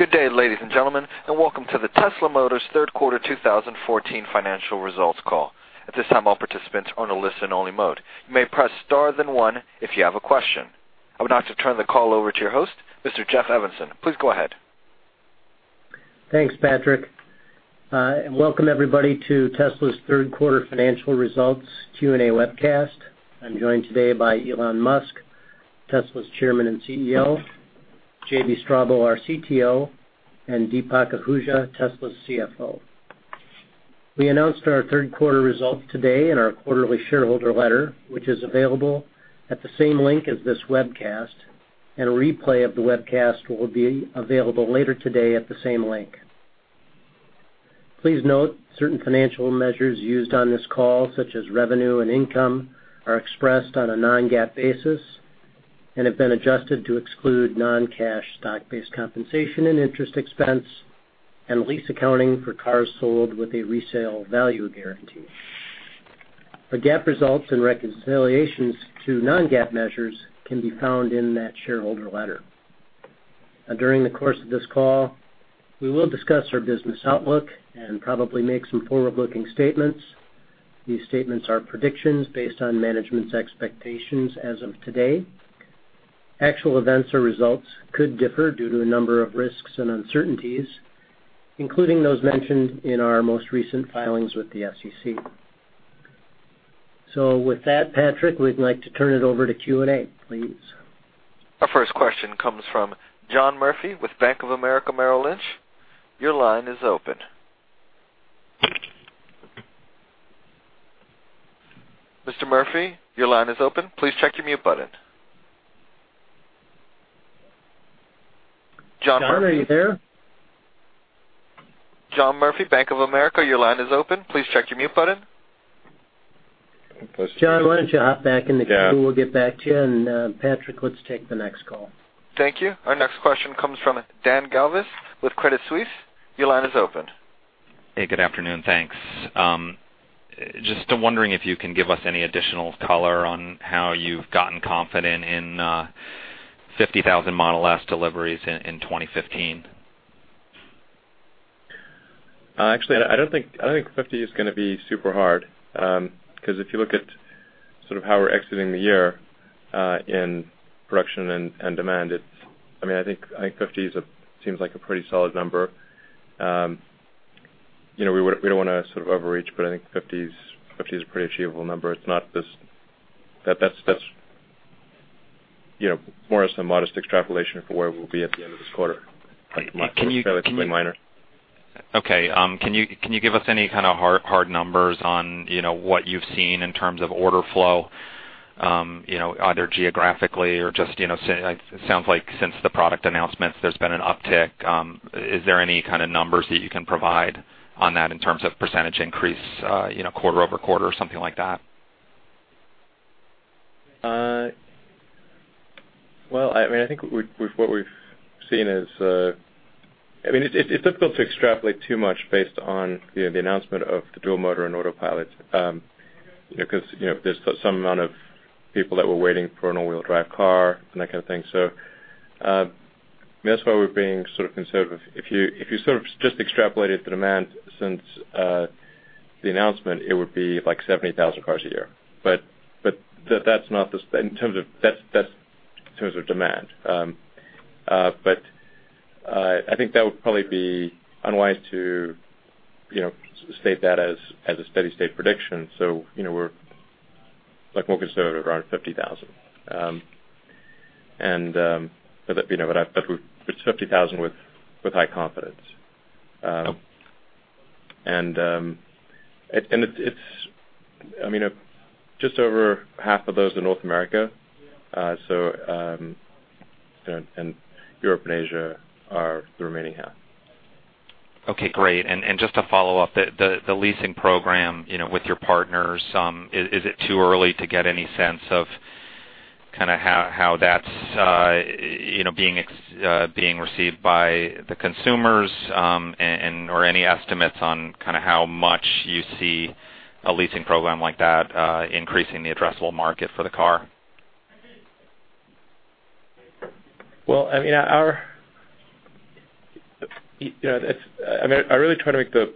Good day, ladies and gentlemen, and welcome to the Tesla Motors Third Quarter 2014 Financial Results Call. At this time, all participants are on a listen-only mode. You may press star then one if you have a question. I would now like to turn the call over to your host, Mr. Jeff Evanson. Please go ahead. Thanks, Patrick. Welcome everybody to Tesla's Third Quarter Financial Results Q&A webcast. I'm joined today by Elon Musk, Tesla's Chairman and CEO, J.B. Straubel, our CTO, and Deepak Ahuja, Tesla's CFO. We announced our third quarter results today in our quarterly shareholder letter, which is available at the same link as this webcast, and a replay of the webcast will be available later today at the same link. Please note, certain financial measures used on this call, such as revenue and income, are expressed on a non-GAAP basis and have been adjusted to exclude non-cash stock-based compensation and interest expense and lease accounting for cars sold with a resale value guarantee. The GAAP results and reconciliations to non-GAAP measures can be found in that shareholder letter. During the course of this call, we will discuss our business outlook and probably make some forward-looking statements. These statements are predictions based on management's expectations as of today. Actual events or results could differ due to a number of risks and uncertainties, including those mentioned in our most recent filings with the SEC. With that, Patrick, we'd like to turn it over to Q&A, please. Our first question comes from John Murphy with Bank of America Merrill Lynch. Your line is open. Mr. Murphy, your line is open. Please check your mute button. John Murphy? John, are you there? John Murphy, Bank of America, your line is open. Please check your mute button. John, why don't you hop back in the queue. Yeah we'll get back to you. Patrick, let's take the next call. Thank you. Our next question comes from Dan Galves with Credit Suisse. Your line is open. Hey, good afternoon. Thanks. Just wondering if you can give us any additional color on how you've gotten confident in 50,000 Model S deliveries in 2015. Actually, I don't think 50 is going to be super hard. If you look at how we're exiting the year in production and demand, I think 50 seems like a pretty solid number. We don't want to overreach, but I think 50 is a pretty achievable number. That's more as a modest extrapolation for where we'll be at the end of this quarter. Great. Can you. It's fairly minor. Okay. Can you give us any kind of hard numbers on what you've seen in terms of order flow, either geographically or just, it sounds like since the product announcements, there's been an uptick. Is there any kind of numbers that you can provide on that in terms of percentage increase quarter-over-quarter or something like that? Well, it's difficult to extrapolate too much based on the announcement of the Dual Motor and Autopilot. There's some amount of people that were waiting for an all-wheel drive car and that kind of thing. That's why we're being conservative. If you just extrapolated the demand since the announcement, it would be like 70,000 cars a year. That's in terms of demand. I think that would probably be unwise to state that as a steady state prediction. We're more conservative around 50,000. It's 50,000 with high confidence. Okay. Just over half of those are North America. Europe and Asia are the remaining half. Okay, great. Just to follow up, the leasing program with your partners, is it too early to get any sense of how that's being received by the consumers, or any estimates on how much you see a leasing program like that increasing the addressable market for the car? Well, I really try to make the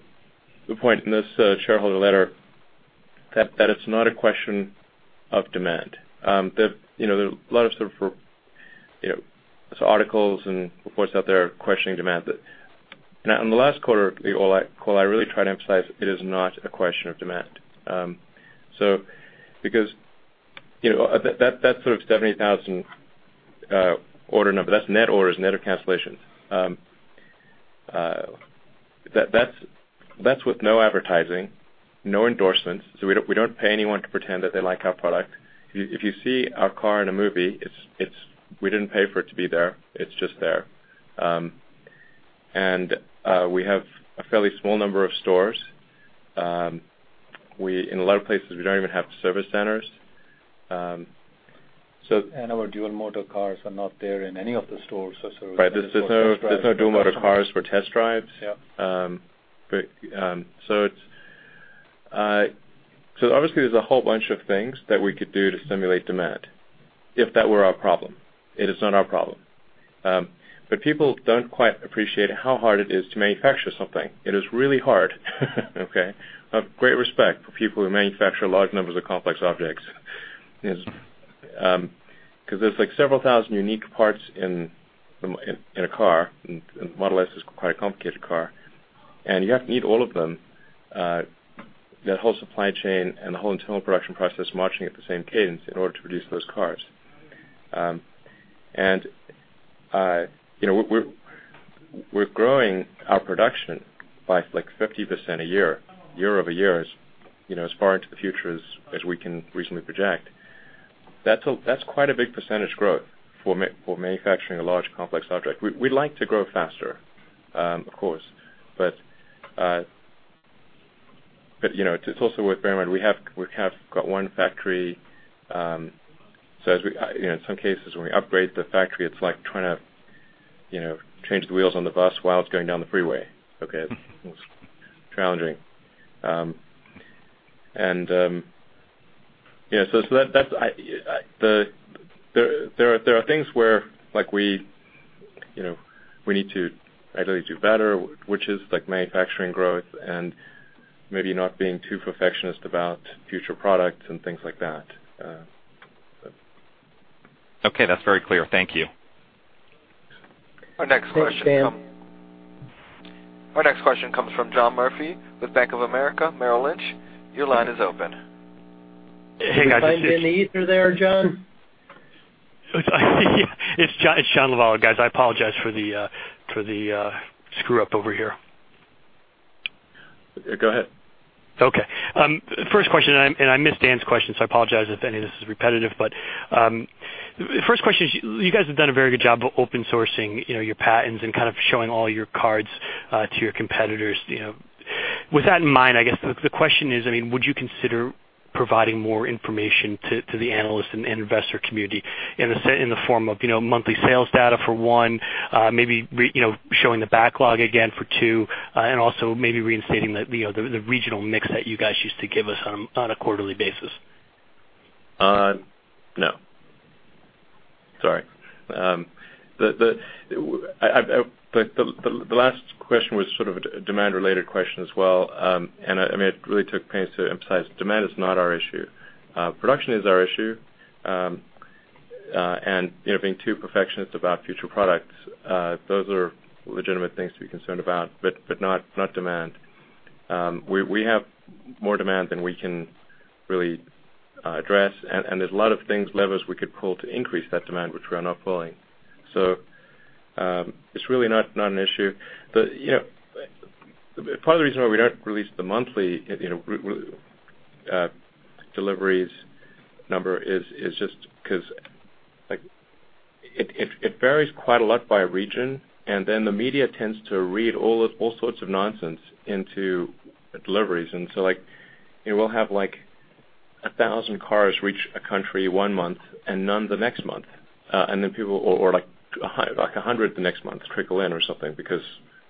point in this shareholder letter that it's not a question of demand. There's articles and reports out there questioning demand. On the last quarter call, I really tried to emphasize it is not a question of demand. That sort of 70,000 order number, that's net orders, net of cancellations. That's with no advertising, no endorsements. We don't pay anyone to pretend that they like our product. If you see our car in a movie, we didn't pay for it to be there. It's just there. We have a fairly small number of stores. In a lot of places, we don't even have service centers. Our Dual Motor cars are not there in any of the stores. Right. There's no Dual Motor cars for test drives. Yeah. Obviously there's a whole bunch of things that we could do to stimulate demand, if that were our problem. It is not our problem. People don't quite appreciate how hard it is to manufacture something. It is really hard. Okay. I have great respect for people who manufacture large numbers of complex objects, because there's several thousand unique parts in a car, and Model S is quite a complicated car. You have to need all of them, that whole supply chain and the whole internal production process marching at the same cadence in order to produce those cars. We're growing our production by 50% a year over year as far into the future as we can reasonably project. That's quite a big percentage growth for manufacturing a large, complex object. We'd like to grow faster, of course. It's also worth bearing in mind we have got one factory. In some cases, when we upgrade the factory, it's like trying to change the wheels on the bus while it's going down the freeway. Okay. It's challenging. There are things where we need to ideally do better, which is manufacturing growth and maybe not being too perfectionist about future products and things like that. Okay. That's very clear. Thank you. Our next question. Thanks, Dan. Our next question comes from John Murphy with Bank of America Merrill Lynch. Your line is open. Hey, guys. Find in the ether there, John? It's John Lovallo, guys. I apologize for the screw-up over here. Go ahead. Okay. First question, and I missed Dan's question, so I apologize if any of this is repetitive. First question is, you guys have done a very good job open sourcing your patents and kind of showing all your cards to your competitors. With that in mind, I guess the question is, would you consider providing more information to the analysts and investor community in the form of monthly sales data for one, maybe showing the backlog again for two, and also maybe reinstating the regional mix that you guys used to give us on a quarterly basis? No. Sorry. The last question was sort of a demand-related question as well. It really took pains to emphasize demand is not our issue. Production is our issue. Being too perfectionist about future products, those are legitimate things to be concerned about, but not demand. We have more demand than we can really address, and there's a lot of things, levers we could pull to increase that demand, which we're not pulling. It's really not an issue. Part of the reason why we don't release the monthly deliveries number is just because it varies quite a lot by region, and then the media tends to read all sorts of nonsense into deliveries. We'll have 1,000 cars reach a country one month and none the next month. like 100 the next month trickle in or something, because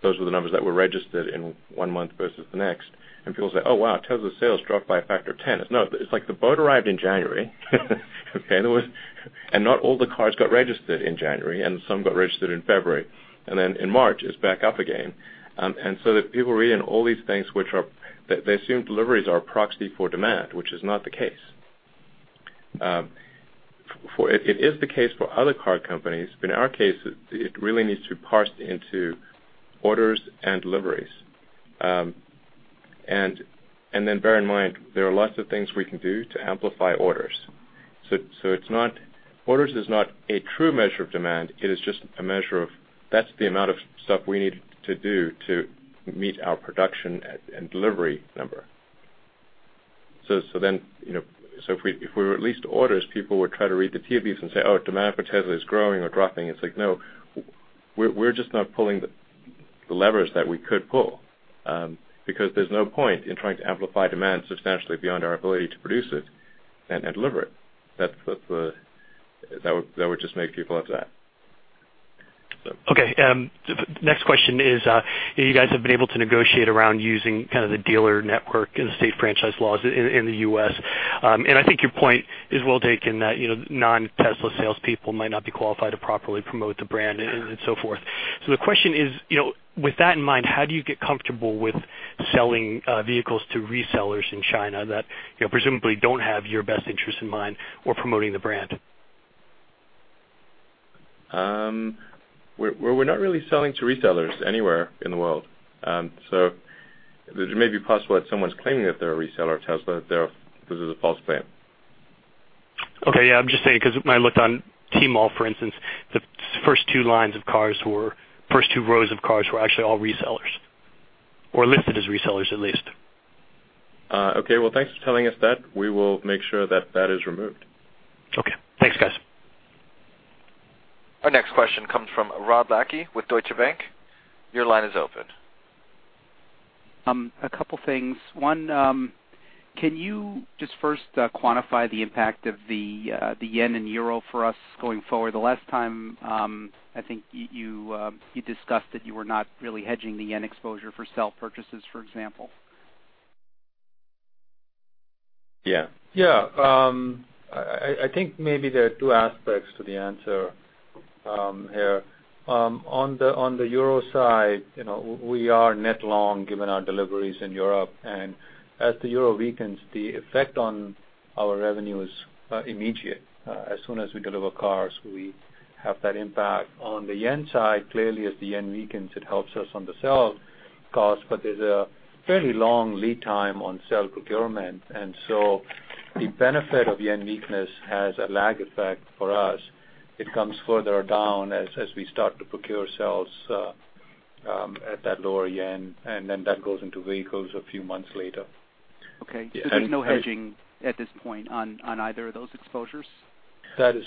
those were the numbers that were registered in one month versus the next. People say, "Oh, wow, Tesla sales dropped by a factor of 10." No, it's like the boat arrived in January, not all the cars got registered in January, and some got registered in February. In March, it's back up again. People are reading all these things, they assume deliveries are a proxy for demand, which is not the case. It is the case for other car companies, but in our case, it really needs to be parsed into orders and deliveries. Then bear in mind, there are lots of things we can do to amplify orders. Orders is not a true measure of demand. It is just a measure of, that's the amount of stuff we need to do to meet our production and delivery number. If we released orders, people would try to read the tea leaves and say, "Oh, demand for Tesla is growing or dropping." No, we're just not pulling the levers that we could pull, because there's no point in trying to amplify demand substantially beyond our ability to produce it and deliver it. That would just make people upset. Okay. Next question is, you guys have been able to negotiate around using the dealer network and state franchise laws in the U.S. I think your point is well taken that non-Tesla salespeople might not be qualified to properly promote the brand and so forth. The question is, with that in mind, how do you get comfortable with selling vehicles to resellers in China that presumably don't have your best interest in mind or promoting the brand? We're not really selling to resellers anywhere in the world. It may be possible that someone's claiming that they're a reseller of Tesla. This is a false claim. Okay. Yeah, I'm just saying, because when I looked on Tmall, for instance, the first two lines of cars, first two rows of cars were actually all resellers or listed as resellers at least. Okay. Well, thanks for telling us that. We will make sure that that is removed. Okay. Thanks, guys. Our next question comes from Rod Lache with Deutsche Bank. Your line is open. A couple of things. One, can you just first quantify the impact of the JPY and EUR for us going forward? The last time, I think you discussed that you were not really hedging the JPY exposure for cell purchases, for example. Yeah. I think maybe there are two aspects to the answer here. On the EUR side, we are net long given our deliveries in Europe. As the EUR weakens, the effect on our revenue is immediate. As soon as we deliver cars, we have that impact. On the JPY side, clearly as the JPY weakens, it helps us on the cell cost, but there's a fairly long lead time on cell procurement. The benefit of JPY weakness has a lag effect for us. It comes further down as we start to procure cells at that lower JPY. That goes into vehicles a few months later. Okay. There's no hedging at this point on either of those exposures? That is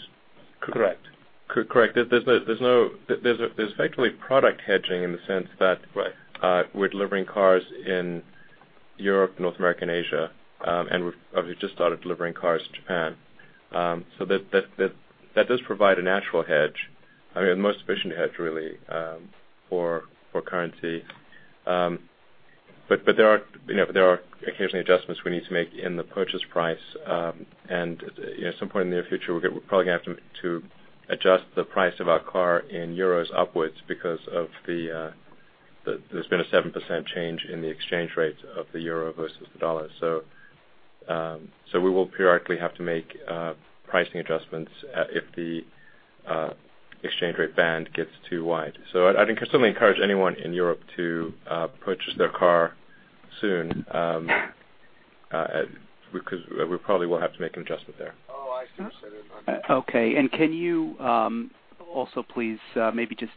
correct. Correct. There's effectively product hedging in the sense that. Right We're delivering cars in Europe, North America, and Asia, and we've obviously just started delivering cars to Japan. That does provide a natural hedge. I mean, a most efficient hedge, really, for currency. There are occasionally adjustments we need to make in the purchase price, and at some point in the near future, we're probably going to have to adjust the price of our car in euros upwards because there's been a 7% change in the exchange rates of the euro versus the dollar. We will periodically have to make pricing adjustments, if the exchange rate band gets too wide. I'd certainly encourage anyone in Europe to purchase their car soon, because we probably will have to make an adjustment there. Oh, I see what you're saying. Okay, can you also please maybe just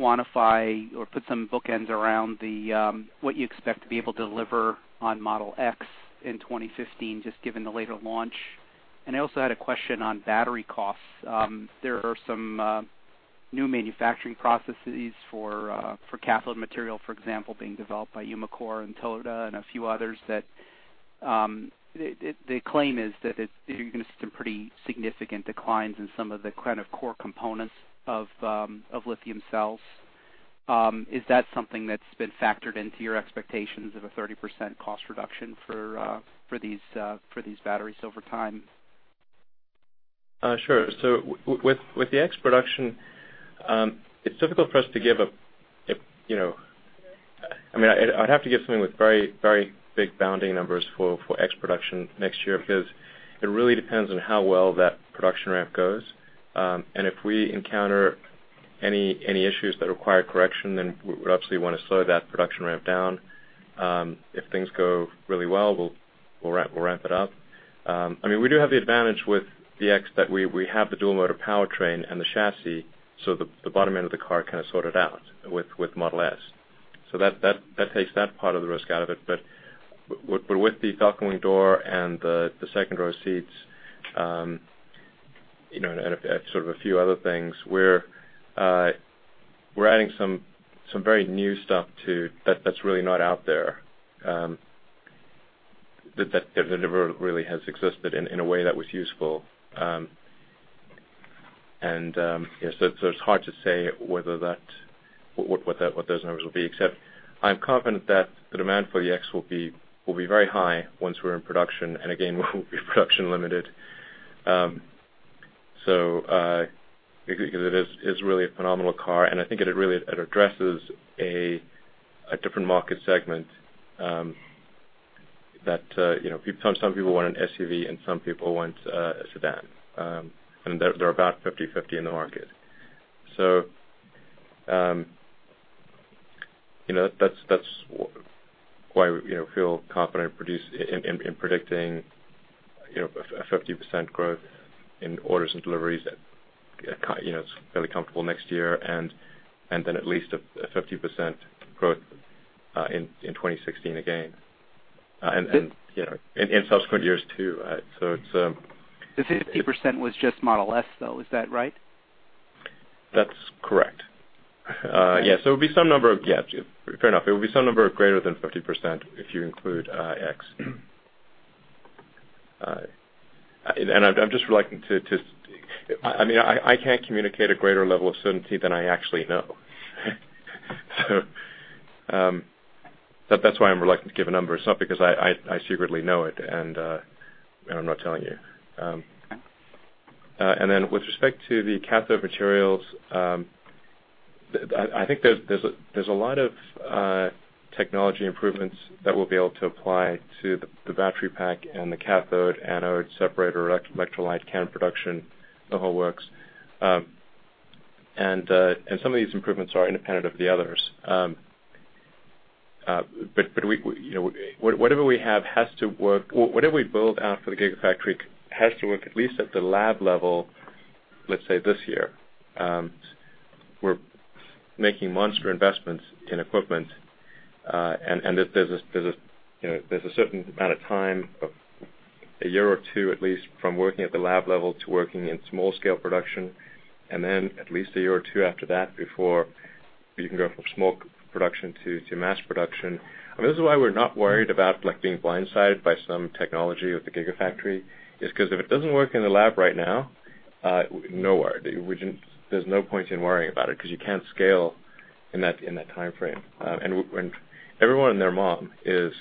quantify or put some bookends around what you expect to be able to deliver on Model X in 2015, just given the later launch? I also had a question on battery costs. There are some new manufacturing processes for cathode material, for example, being developed by Umicore and Toyota and a few others that the claim is that you're going to see some pretty significant declines in some of the kind of core components of lithium cells. Is that something that's been factored into your expectations of a 30% cost reduction for these batteries over time? Sure. With the X production, it's difficult for us to give something with very, very big bounding numbers for X production next year because it really depends on how well that production ramp goes. If we encounter any issues that require correction, we'd obviously want to slow that production ramp down. If things go really well, we'll ramp it up. We do have the advantage with the X that we have the Dual Motor powertrain and the chassis, so the bottom end of the car kind of sorted out with Model S. That takes that part of the risk out of it. With the falcon wing doors and the second-row seats, and sort of a few other things, we're adding some very new stuff too that's really not out there, that never really has existed in a way that was useful. It's hard to say what those numbers will be, except I'm confident that the demand for the X will be very high once we're in production. Again, we'll be production limited. Because it is really a phenomenal car, and I think it addresses a different market segment, that some people want an SUV and some people want a sedan, and they're about 50/50 in the market. That's why we feel confident in predicting a 50% growth in orders and deliveries at fairly comfortable next year and then at least a 50% growth in 2016 again. In subsequent years, too. The 50% was just Model S, though, is that right? That's correct. Yeah, fair enough. It will be some number greater than 50% if you include X. I'm just reluctant to communicate a greater level of certainty than I actually know. That's why I'm reluctant to give a number. It's not because I secretly know it, and I'm not telling you. With respect to the cathode materials, I think there's a lot of technology improvements that we'll be able to apply to the battery pack and the cathode, anode, separator, electrolyte, can production, the whole works. Some of these improvements are independent of the others. Whatever we build out for the Gigafactory has to work at least at the lab level, let's say, this year. We're making monster investments in equipment. There's a certain amount of time of a year or two, at least, from working at the lab level to working in small-scale production, then at least a year or two after that before you can go from small production to mass production. This is why we're not worried about being blindsided by some technology with the Gigafactory. If it doesn't work in the lab right now, there's no point in worrying about it, because you can't scale in that timeframe. Everyone and their mom is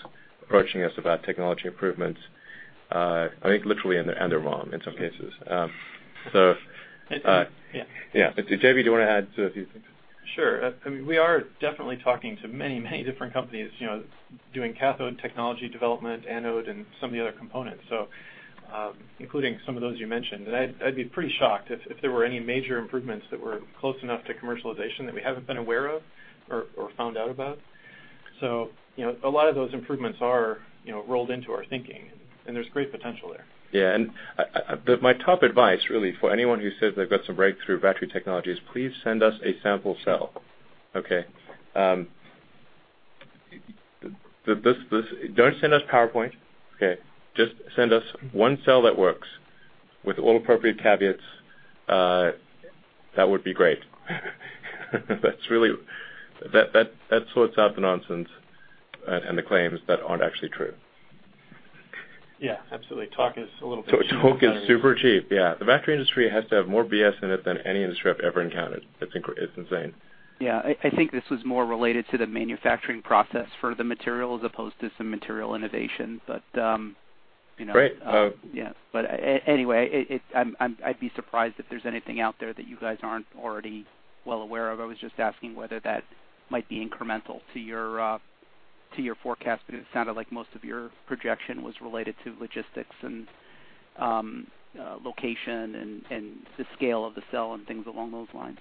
approaching us about technology improvements, I think literally and their mom in some cases. Yeah. Yeah. J.B., do you want to add a few things? Sure. We are definitely talking to many, many different companies doing cathode technology development, anode, and some of the other components, including some of those you mentioned. I'd be pretty shocked if there were any major improvements that were close enough to commercialization that we haven't been aware of or found out about. A lot of those improvements are rolled into our thinking, and there's great potential there. Yeah. My top advice, really, for anyone who says they've got some breakthrough battery technology is please send us a sample cell. Okay. Don't send us PowerPoint, okay. Just send us one cell that works with all appropriate caveats. That would be great. That sorts out the nonsense and the claims that aren't actually true. Yeah, absolutely. Talk is a little bit cheap sometimes. Talk is super cheap, yeah. The battery industry has to have more BS in it than any industry I've ever encountered. It's insane. Yeah, I think this was more related to the manufacturing process for the material as opposed to some material innovation. Great yeah. Anyway, I'd be surprised if there's anything out there that you guys aren't already well aware of. I was just asking whether that might be incremental to your forecast, but it sounded like most of your projection was related to logistics and location and the scale of the cell and things along those lines.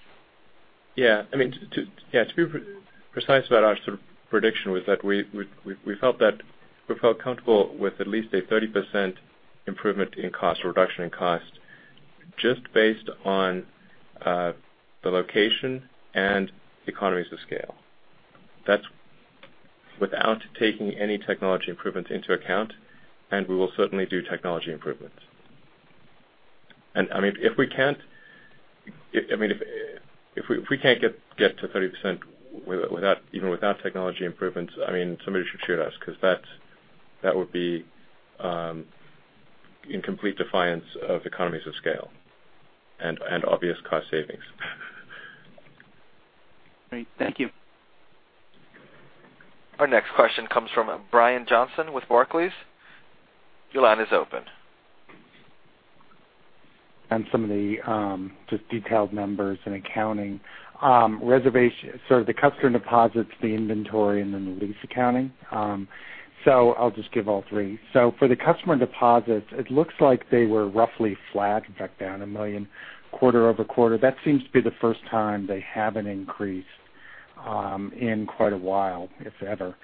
Yeah. To be precise about our prediction was that we felt comfortable with at least a 30% improvement in cost or reduction in cost just based on the location and economies of scale. That's without taking any technology improvements into account, and we will certainly do technology improvements. If we can't get to 30% even without technology improvements, somebody should shoot us, because that would be in complete defiance of economies of scale and obvious cost savings. Great. Thank you. Our next question comes from Brian Johnson with Barclays. Your line is open. On some of the just detailed numbers in accounting. The customer deposits, the inventory, and then the lease accounting. I'll just give all three. For the customer deposits, it looks like they were roughly flat, in fact, down $1 million quarter-over-quarter. That seems to be the first time they have an increase in quite a while, if ever.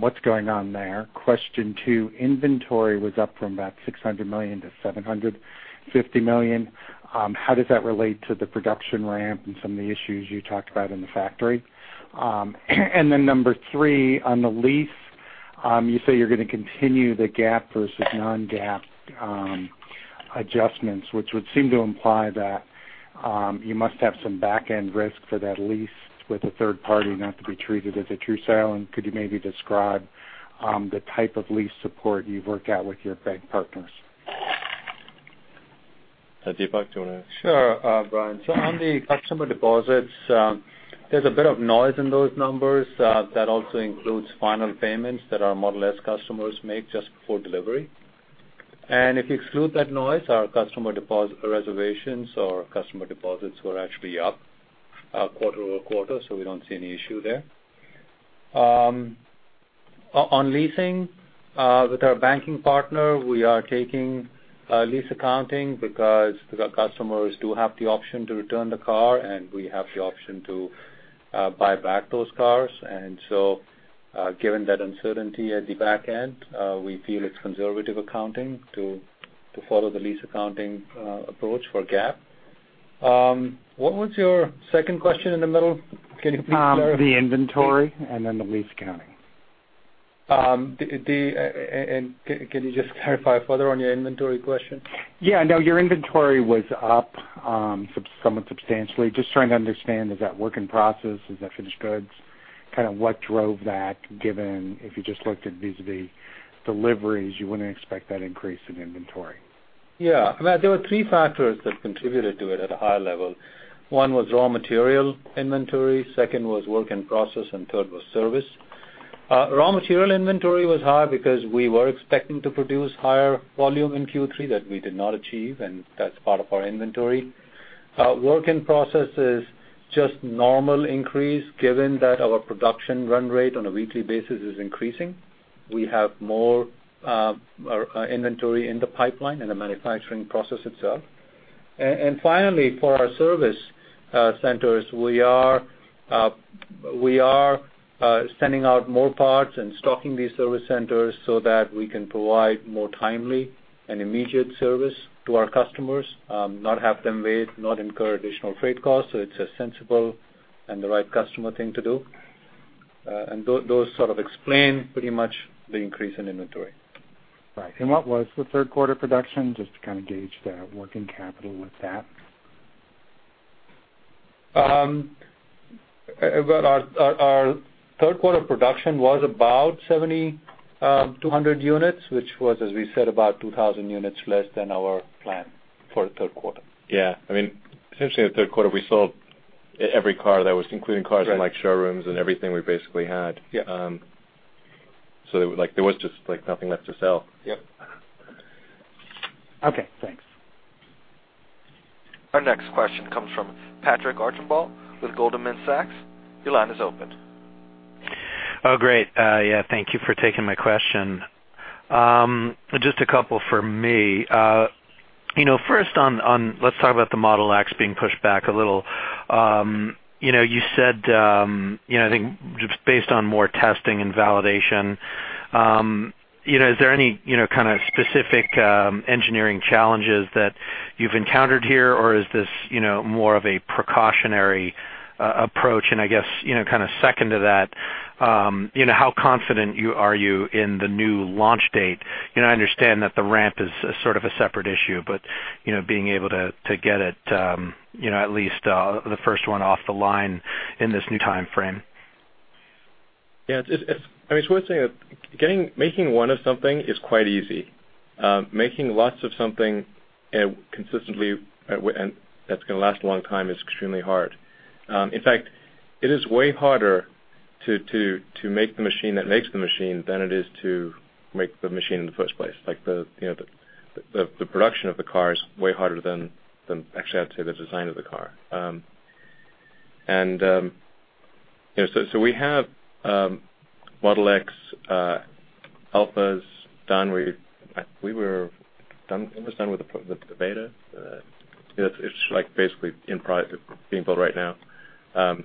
What's going on there? Question 2, inventory was up from about $600 million to $750 million. How does that relate to the production ramp and some of the issues you talked about in the factory? Then number 3, on the lease, you say you're going to continue the GAAP versus non-GAAP adjustments, which would seem to imply that you must have some back-end risk for that lease with a third party not to be treated as a true sale. Could you maybe describe the type of lease support you've worked out with your bank partners? Deepak, do you want to- Sure, Brian. On the customer deposits, there's a bit of noise in those numbers. That also includes final payments that our Model S customers make just before delivery. If you exclude that noise, our customer deposit reservations or customer deposits were actually up quarter-over-quarter, we don't see any issue there. On leasing, with our banking partner, we are taking lease accounting because the customers do have the option to return the car, and we have the option to buy back those cars. Given that uncertainty at the back end, we feel it's conservative accounting to follow the lease accounting approach for GAAP. What was your second question in the middle? Can you please clarify? The inventory and then the lease accounting. Can you just clarify further on your inventory question? Your inventory was up somewhat substantially. Just trying to understand, is that work in process? Is that finished goods? Kind of what drove that, given if you just looked at vis-à-vis deliveries, you wouldn't expect that increase in inventory. There were three factors that contributed to it at a high level. One was raw material inventory, second was work in process, and third was service. Raw material inventory was high because we were expecting to produce higher volume in Q3 that we did not achieve, and that's part of our inventory. Work in process is just normal increase given that our production run rate on a weekly basis is increasing. We have more inventory in the pipeline in the manufacturing process itself. Finally, for our service centers, we are sending out more parts and stocking these service centers so that we can provide more timely and immediate service to our customers, not have them wait, not incur additional freight costs. It's a sensible and the right customer thing to do. Those sort of explain pretty much the increase in inventory. Right. What was the third quarter production, just to kind of gauge the working capital with that? Well, our third quarter production was about 7,200 units, which was, as we said, about 2,000 units less than our plan for the third quarter. Yeah. Essentially the third quarter, we sold every car that was including cars in showrooms and everything we basically had. Yeah. There was just nothing left to sell. Yep. Okay, thanks. Our next question comes from Patrick Archambault with Goldman Sachs. Your line is open. Great. Thank you for taking my question. Just a couple from me. First, let's talk about the Model X being pushed back a little. You said, I think just based on more testing and validation. Is there any kind of specific engineering challenges that you've encountered here, or is this more of a precautionary approach? I guess, kind of second to that, how confident are you in the new launch date? I understand that the ramp is sort of a separate issue, but being able to get it, at least the first one off the line in this new time frame. It's worth saying, making one of something is quite easy. Making lots of something consistently, and that's going to last a long time is extremely hard. In fact, it is way harder to make the machine that makes the machine than it is to make the machine in the first place. The production of the car is way harder than, actually, I'd say the design of the car. We have Model X alphas done. We were almost done with the beta. It's basically being built right now. It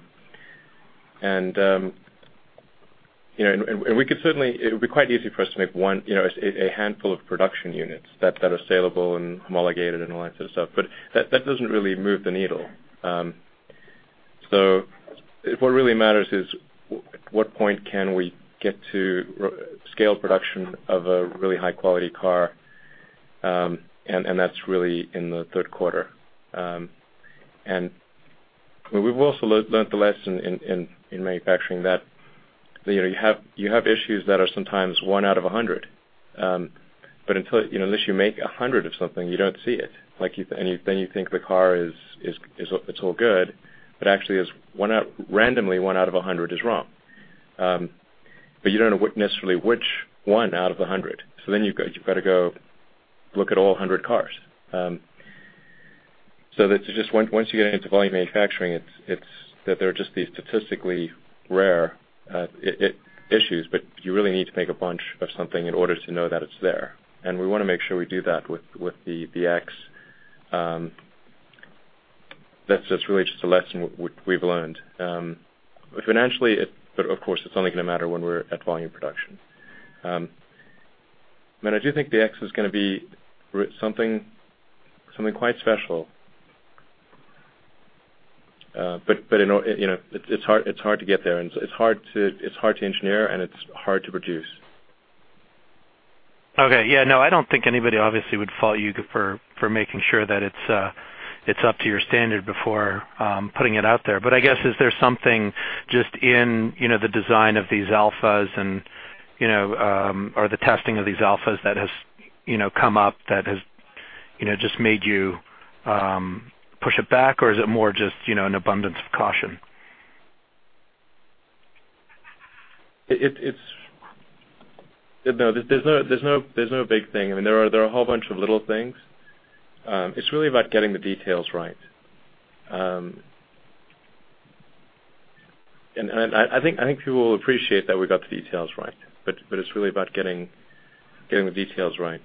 would be quite easy for us to make a handful of production units that are saleable and homologated and all that sort of stuff, but that doesn't really move the needle. What really matters is at what point can we get to scale production of a really high-quality car, and that's really in the third quarter. We've also learned the lesson in manufacturing that you have issues that are sometimes one out of 100. Unless you make 100 of something, you don't see it. You think the car, it's all good, but actually, randomly one out of 100 is wrong. You don't know necessarily which one out of 100. You've got to go look at all 100 cars. Once you get into volume manufacturing, there are just these statistically rare issues, but you really need to make a bunch of something in order to know that it's there. We want to make sure we do that with the X. That's really just a lesson we've learned. Financially, of course, it's only going to matter when we're at volume production. I do think the X is going to be something quite special. It's hard to get there, and it's hard to engineer, and it's hard to produce. Okay. Yeah, no, I don't think anybody obviously would fault you for making sure that it's up to your standard before putting it out there. I guess, is there something just in the design of these alphas and, or the testing of these alphas that has come up that has just made you push it back, or is it more just an abundance of caution? There's no big thing. There are a whole bunch of little things. It's really about getting the details right. I think people will appreciate that we got the details right, but it's really about getting the details right.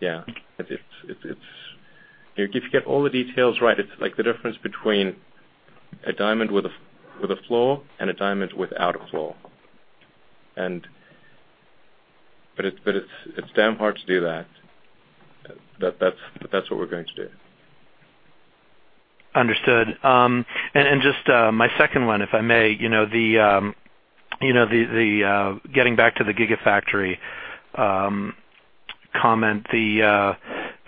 Yeah. If you get all the details right, it's like the difference between a diamond with a flaw and a diamond without a flaw. It's damn hard to do that. That's what we're going to do. Understood. Just my second one, if I may, getting back to the Gigafactory comment, the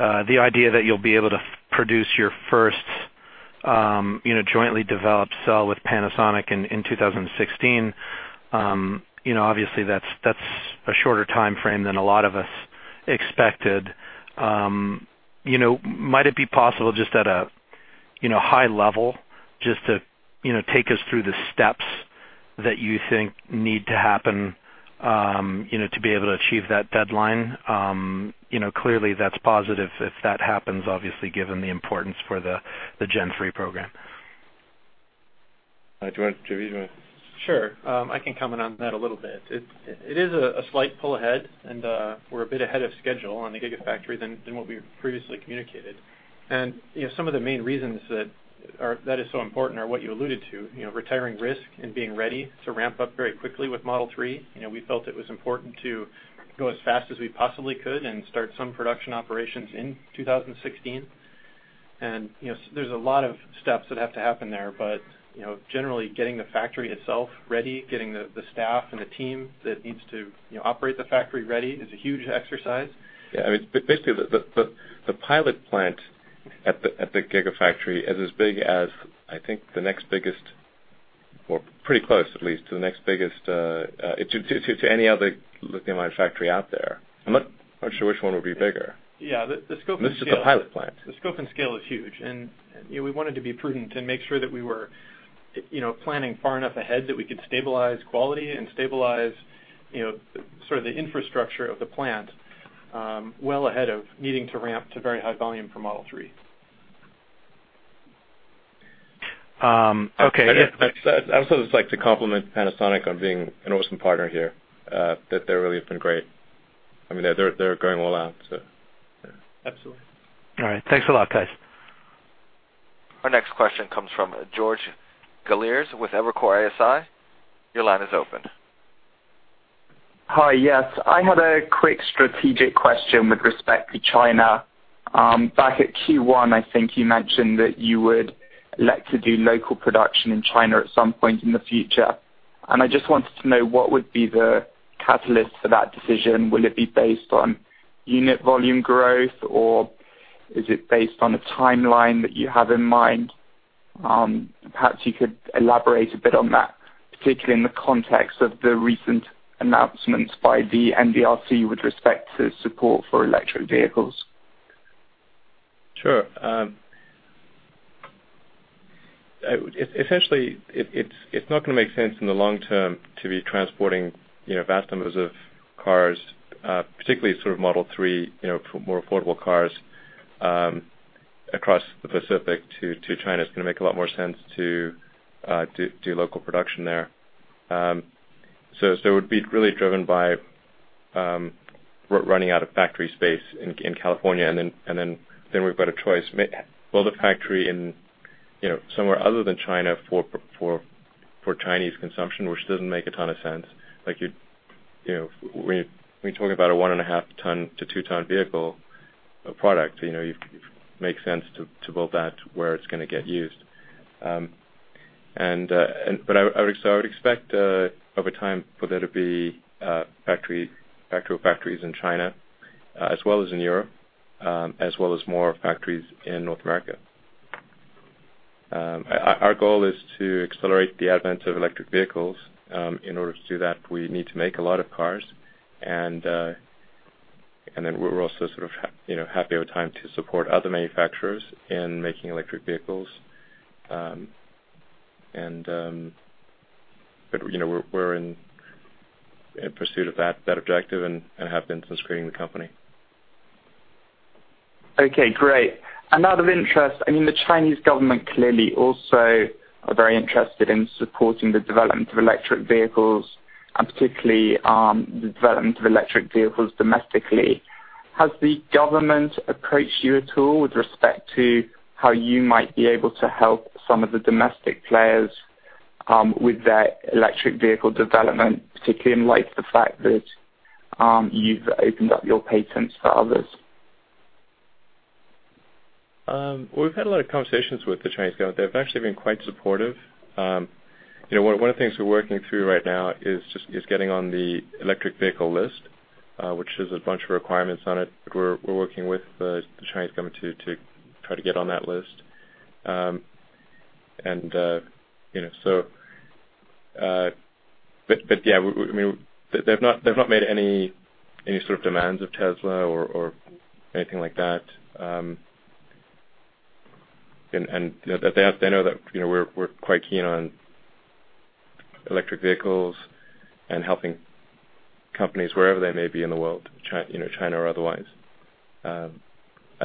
idea that you'll be able to produce your first jointly developed cell with Panasonic in 2016. Obviously, that's a shorter timeframe than a lot of us expected. Might it be possible just at a high level, just to take us through the steps that you think need to happen to be able to achieve that deadline? Clearly, that's positive if that happens, obviously, given the importance for the Gen3 program. Do you want to, JB? Sure. I can comment on that a little bit. It is a slight pull ahead, we're a bit ahead of schedule on the Gigafactory than what we had previously communicated. Some of the main reasons that is so important are what you alluded to, retiring risk and being ready to ramp up very quickly with Model 3. We felt it was important to go as fast as we possibly could and start some production operations in 2016. There's a lot of steps that have to happen there. Generally getting the factory itself ready, getting the staff and the team that needs to operate the factory ready is a huge exercise. Yeah. Basically, the pilot plant at the Gigafactory is as big as I think the next biggest, or pretty close at least, to the next biggest to any other lithium-ion factory out there. I'm not sure which one would be bigger. Yeah. The scope and scale- This is the pilot plant. The scope and scale is huge. We wanted to be prudent and make sure that we were planning far enough ahead that we could stabilize quality and stabilize the infrastructure of the plant well ahead of needing to ramp to very high volume for Model 3. Okay. I also just like to compliment Panasonic on being an awesome partner here, that they really have been great. They're going all out. Absolutely. All right. Thanks a lot, guys. Our next question comes from George Galliers with Evercore ISI. Your line is open. Hi. Yes, I had a quick strategic question with respect to China. Back at Q1, I think you mentioned that you would like to do local production in China at some point in the future. I just wanted to know what would be the catalyst for that decision. Will it be based on unit volume growth, or is it based on a timeline that you have in mind? Perhaps you could elaborate a bit on that, particularly in the context of the recent announcements by the NDRC with respect to support for electric vehicles. Sure. Essentially, it's not going to make sense in the long term to be transporting vast numbers of cars, particularly Model 3, more affordable cars, across the Pacific to China. It's going to make a lot more sense to do local production there. It would be really driven by running out of factory space in California. Then we've got a choice. Build a factory somewhere other than China for Chinese consumption, which doesn't make a ton of sense. When you're talking about a one-and-a-half-ton to two-ton vehicle product, it makes sense to build that where it's going to get used. I would expect over time for there to be actual factories in China as well as in Europe, as well as more factories in North America. Our goal is to accelerate the advent of electric vehicles. In order to do that, we need to make a lot of cars. We're also happy over time to support other manufacturers in making electric vehicles. We're in pursuit of that objective and have been since creating the company. Okay, great. Out of interest, the Chinese government clearly also are very interested in supporting the development of electric vehicles, and particularly the development of electric vehicles domestically. Has the government approached you at all with respect to how you might be able to help some of the domestic players with their electric vehicle development, particularly in light of the fact that you've opened up your patents to others? We've had a lot of conversations with the Chinese government. They've actually been quite supportive. One of the things we're working through right now is getting on the electric vehicle list, which has a bunch of requirements on it. We're working with the Chinese government to try to get on that list. Yeah, they've not made any demands of Tesla or anything like that. They know that we're quite keen on electric vehicles and helping companies wherever they may be in the world, China or otherwise. I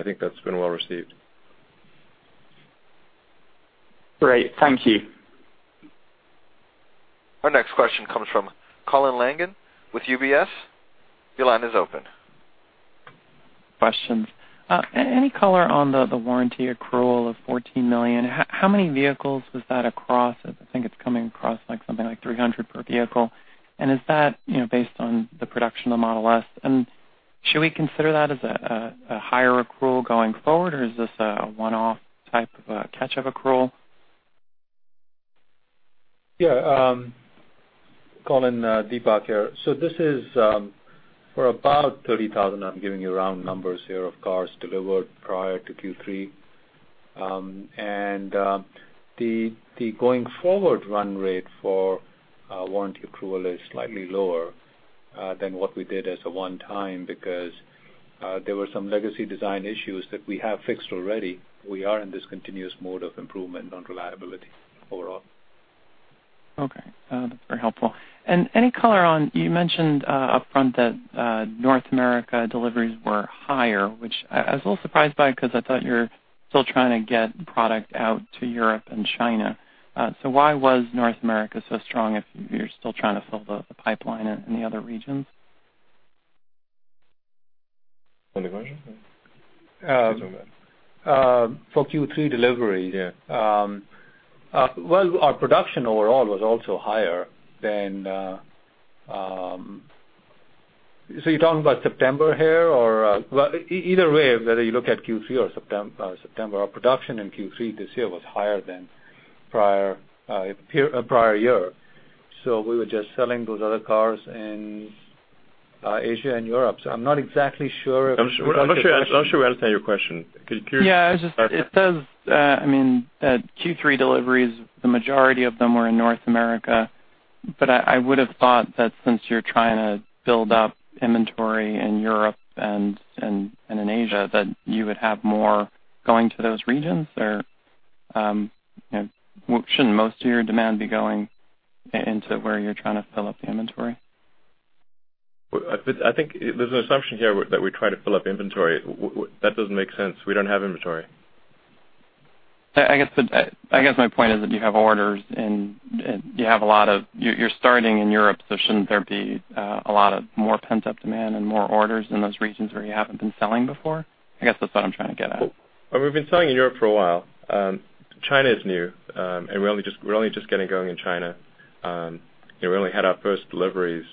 think that's been well-received. Great. Thank you. Our next question comes from Colin Langan with UBS. Your line is open. Questions. Any color on the warranty accrual of $14 million? How many vehicles was that across? I think it's coming across something like 300 per vehicle. Is that based on the production of the Model S? Should we consider that as a higher accrual going forward, or is this a one-off type of catch-up accrual? Yeah. Colin, Deepak here. This is for about 30,000, I'm giving you round numbers here, of cars delivered prior to Q3. The going-forward run rate for warranty accrual is slightly lower than what we did as a one-time because there were some legacy design issues that we have fixed already. We are in this continuous mode of improvement on reliability overall. Okay. That's very helpful. Any color on, you mentioned upfront that North America deliveries were higher, which I was a little surprised by because I thought you were still trying to get product out to Europe and China. Why was North America so strong if you're still trying to fill the pipeline in the other regions? On the question? You take that. For Q3 delivery- Yeah well, our production overall was also higher than. You're talking about September here? Either way, whether you look at Q3 or September, our production in Q3 this year was higher than prior year. We were just selling those other cars in Asia and Europe. I'm not exactly sure if- I'm not sure I understand your question. Could you- Yeah, it says, Q3 deliveries, the majority of them were in North America. I would've thought that since you're trying to build up inventory in Europe and in Asia, that you would have more going to those regions. Shouldn't most of your demand be going into where you're trying to fill up the inventory? I think there's an assumption here that we're trying to fill up inventory. That doesn't make sense. We don't have inventory. I guess my point is that you have orders and you're starting in Europe, shouldn't there be a lot of more pent-up demand and more orders in those regions where you haven't been selling before? I guess that's what I'm trying to get at. We've been selling in Europe for a while. China is new, we're only just getting going in China. We only had our first deliveries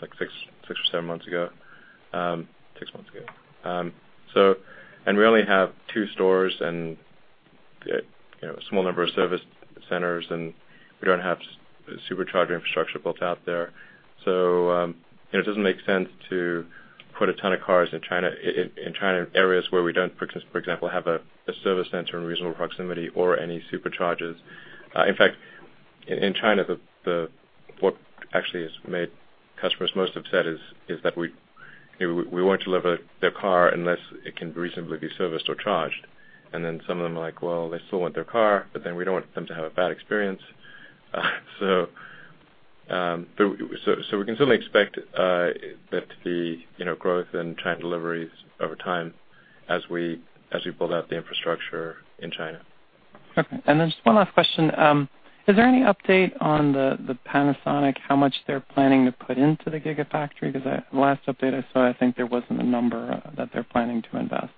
six or seven months ago. Six months ago. We only have two stores and a small number of service centers, and we don't have Supercharger infrastructure built out there. It doesn't make sense to put a ton of cars in China, in areas where we don't, for example, have a service center in reasonable proximity or any Superchargers. In fact, in China, what actually has made customers most upset is that we won't deliver their car unless it can reasonably be serviced or charged. Some of them are like, well, they still want their car, we don't want them to have a bad experience. We can certainly expect the growth in China deliveries over time as we build out the infrastructure in China. Just one last question. Is there any update on the Panasonic, how much they're planning to put into the Gigafactory? Because the last update I saw, I think there wasn't a number that they're planning to invest.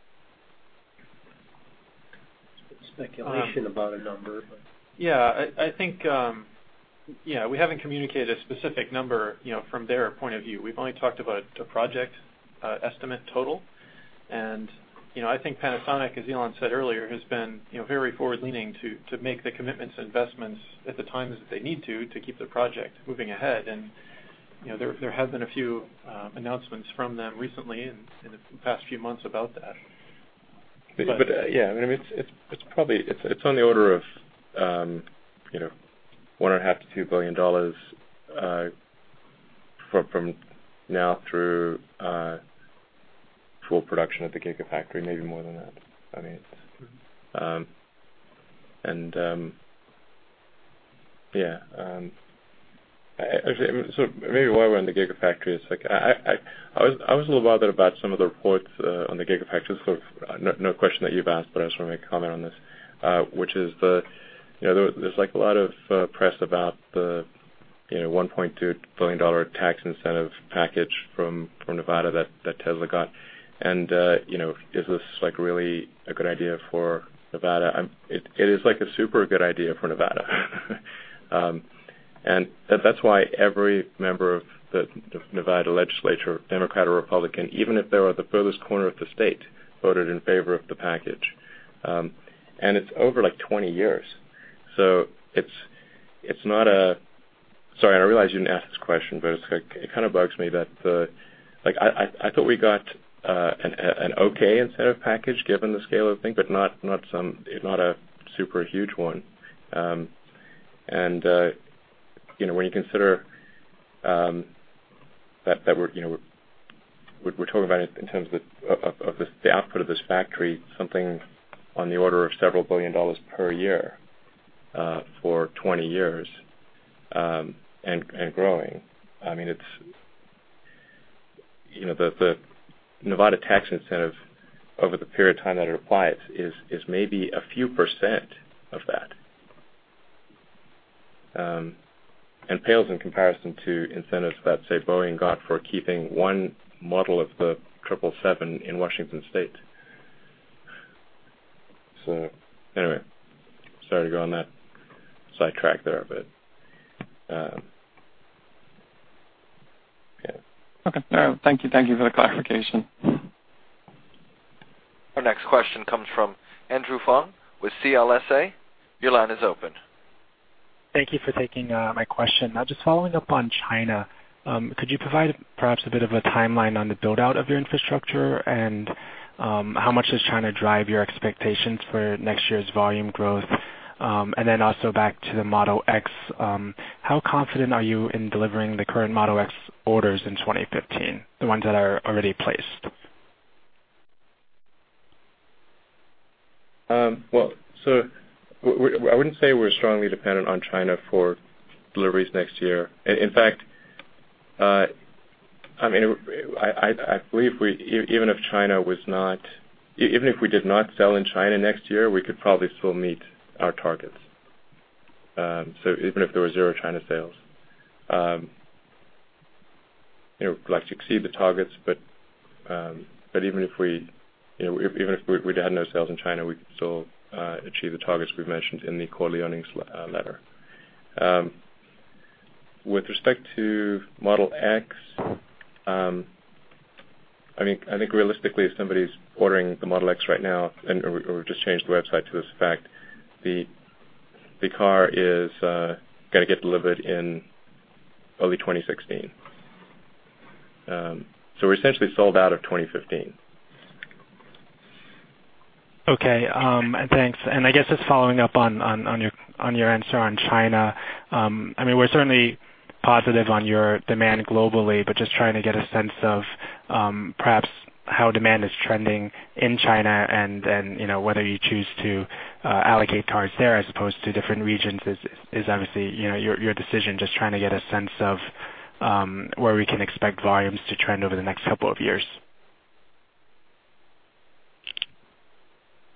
Speculation about a number. I think we haven't communicated a specific number from their point of view. We've only talked about a project estimate total. I think Panasonic, as Elon said earlier, has been very forward-leaning to make the commitments and investments at the times that they need to keep the project moving ahead. There have been a few announcements from them recently in the past few months about that. Yeah, it's on the order of $1.5 billion-$2 billion from now through full production of the Gigafactory, maybe more than that. Maybe while we're on the Gigafactory, I was a little bothered about some of the reports on the Gigafactory. No question that you've asked, but I just want to make a comment on this, which is there's a lot of press about the $1.2 billion tax incentive package from Nevada that Tesla got. Is this really a good idea for Nevada? It is a super good idea for Nevada. That's why every member of the Nevada legislature, Democrat or Republican, even if they were at the furthest corner of the state, voted in favor of the package. It's over 20 years. Sorry, I realize you didn't ask this question, but it kind of bugs me that I thought we got an okay incentive package given the scale of the thing, but not a super huge one. When you consider that we're talking about in terms of the output of this factory, something on the order of several billion dollars per year for 20 years, and growing. The Nevada tax incentive over the period of time that it applies is maybe a few % of that, and pales in comparison to incentives that, say, Boeing got for keeping one model of the 777 in Washington State. Anyway, sorry to go on that sidetrack there. Okay. No, thank you for the clarification. Our next question comes from Andrew Fung with CLSA. Your line is open. Thank you for taking my question. Just following up on China, could you provide perhaps a bit of a timeline on the build-out of your infrastructure and how much does China drive your expectations for next year's volume growth? Also back to the Model X, how confident are you in delivering the current Model X orders in 2015, the ones that are already placed? I wouldn't say we're strongly dependent on China for deliveries next year. In fact, I believe even if we did not sell in China next year, we could probably still meet our targets. Even if there were zero China sales. We'd like to exceed the targets, but even if we'd had no sales in China, we could still achieve the targets we've mentioned in the quarterly earnings letter. With respect to Model X, I think realistically, if somebody's ordering the Model X right now or we just changed the website to this effect, the car is going to get delivered in early 2016. We're essentially sold out of 2015. Okay. Thanks. I guess just following up on your answer on China. We're certainly positive on your demand globally, but just trying to get a sense of perhaps how demand is trending in China and then whether you choose to allocate cars there as opposed to different regions is obviously your decision. Just trying to get a sense of where we can expect volumes to trend over the next couple of years.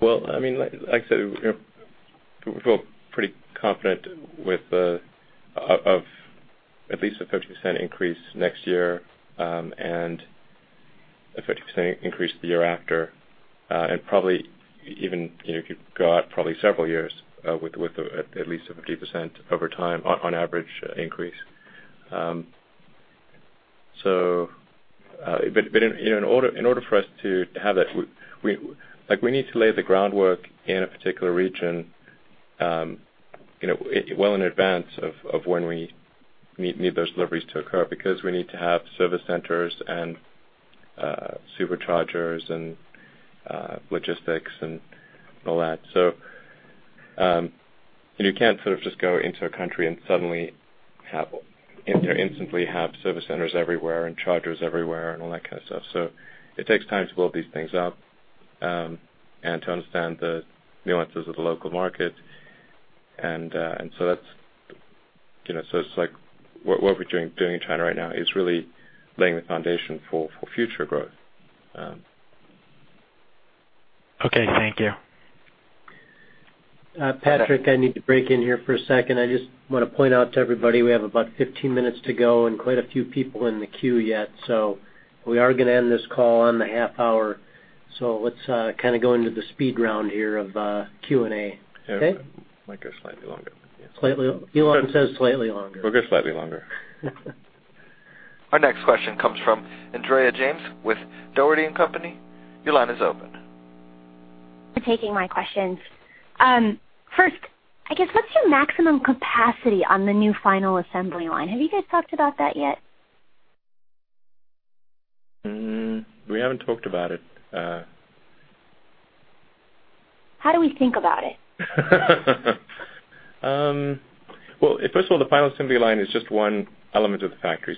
Well, like I said, we feel pretty confident with at least a 50% increase next year, and a 50% increase the year after. Probably even if you go out probably several years, with at least a 50% over time on average increase. In order for us to have that, we need to lay the groundwork in a particular region well in advance of when we need those deliveries to occur, because we need to have service centers and Superchargers and logistics and all that. You can't sort of just go into a country and suddenly instantly have service centers everywhere and chargers everywhere and all that kind of stuff. It takes time to build these things up, and to understand the nuances of the local market. It's like what we're doing in China right now is really laying the foundation for future growth. Okay. Thank you. Patrick, I need to break in here for a second. I just want to point out to everybody, we have about 15 minutes to go and quite a few people in the queue yet. We are going to end this call on the half hour. Let's kind of go into the speed round here of Q&A. Okay? Yeah. Might go slightly longer. Yeah. Elon says slightly longer. We'll go slightly longer. Our next question comes from Andrea James with Dougherty & Company. Your line is open. Thank you for taking my questions. First, I guess, what's your maximum capacity on the new final assembly line? Have you guys talked about that yet? We haven't talked about it. How do we think about it? Well, first of all, the final assembly line is just one element of the factory,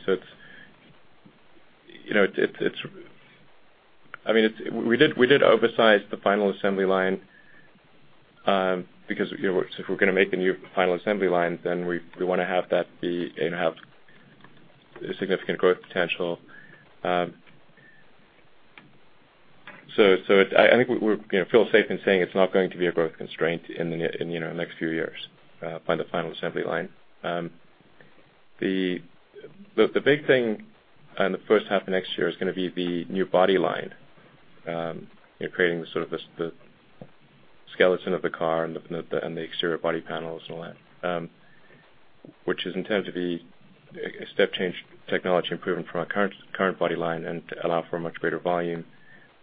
we did oversize the final assembly line, because if we're going to make a new final assembly line, we want to have that be and have significant growth potential. I think we feel safe in saying it's not going to be a growth constraint in the next few years, by the final assembly line. The big thing in the first half of next year is going to be the new body line. Creating the sort of the skeleton of the car and the exterior body panels and all that. Which is intended to be a step change technology improvement from our current body line and to allow for much greater volume,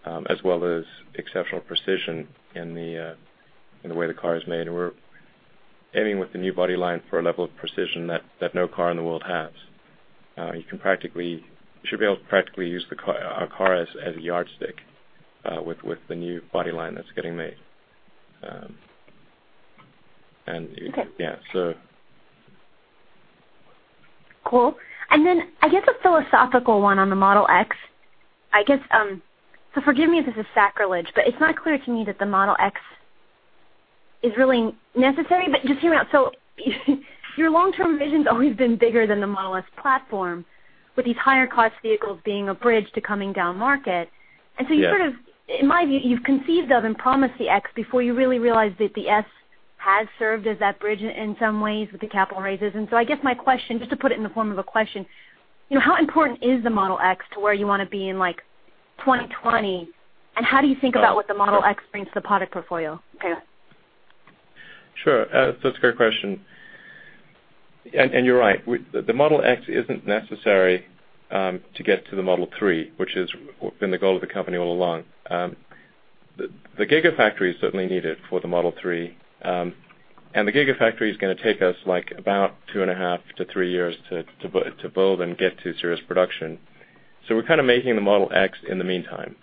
as well as exceptional precision in the way the car is made. We're aiming with the new body line for a level of precision that no car in the world has. You should be able to practically use our car as a yardstick with the new body line that's getting made. Okay. Yeah. Cool. I guess a philosophical one on the Model X, I guess. Forgive me if this is sacrilege, but it's not clear to me that the Model X is really necessary, but just hear me out. Your long-term vision's always been bigger than the Model S platform, with these higher-cost vehicles being a bridge to coming down market. Yeah. You've sort of, in my view, you've conceived of and promised the Model X before you really realized that the Model S has served as that bridge in some ways with the capital raises. I guess my question, just to put it in the form of a question, how important is the Model X to where you want to be in 2020? How do you think about what the Model X brings to the product portfolio? Sure. That's a great question, and you're right. The Model X isn't necessary to get to the Model 3, which has been the goal of the company all along. The Gigafactory is certainly needed for the Model 3. The Gigafactory is going to take us about two and a half to three years to build and get to serious production. We're kind of making the Model X in the meantime.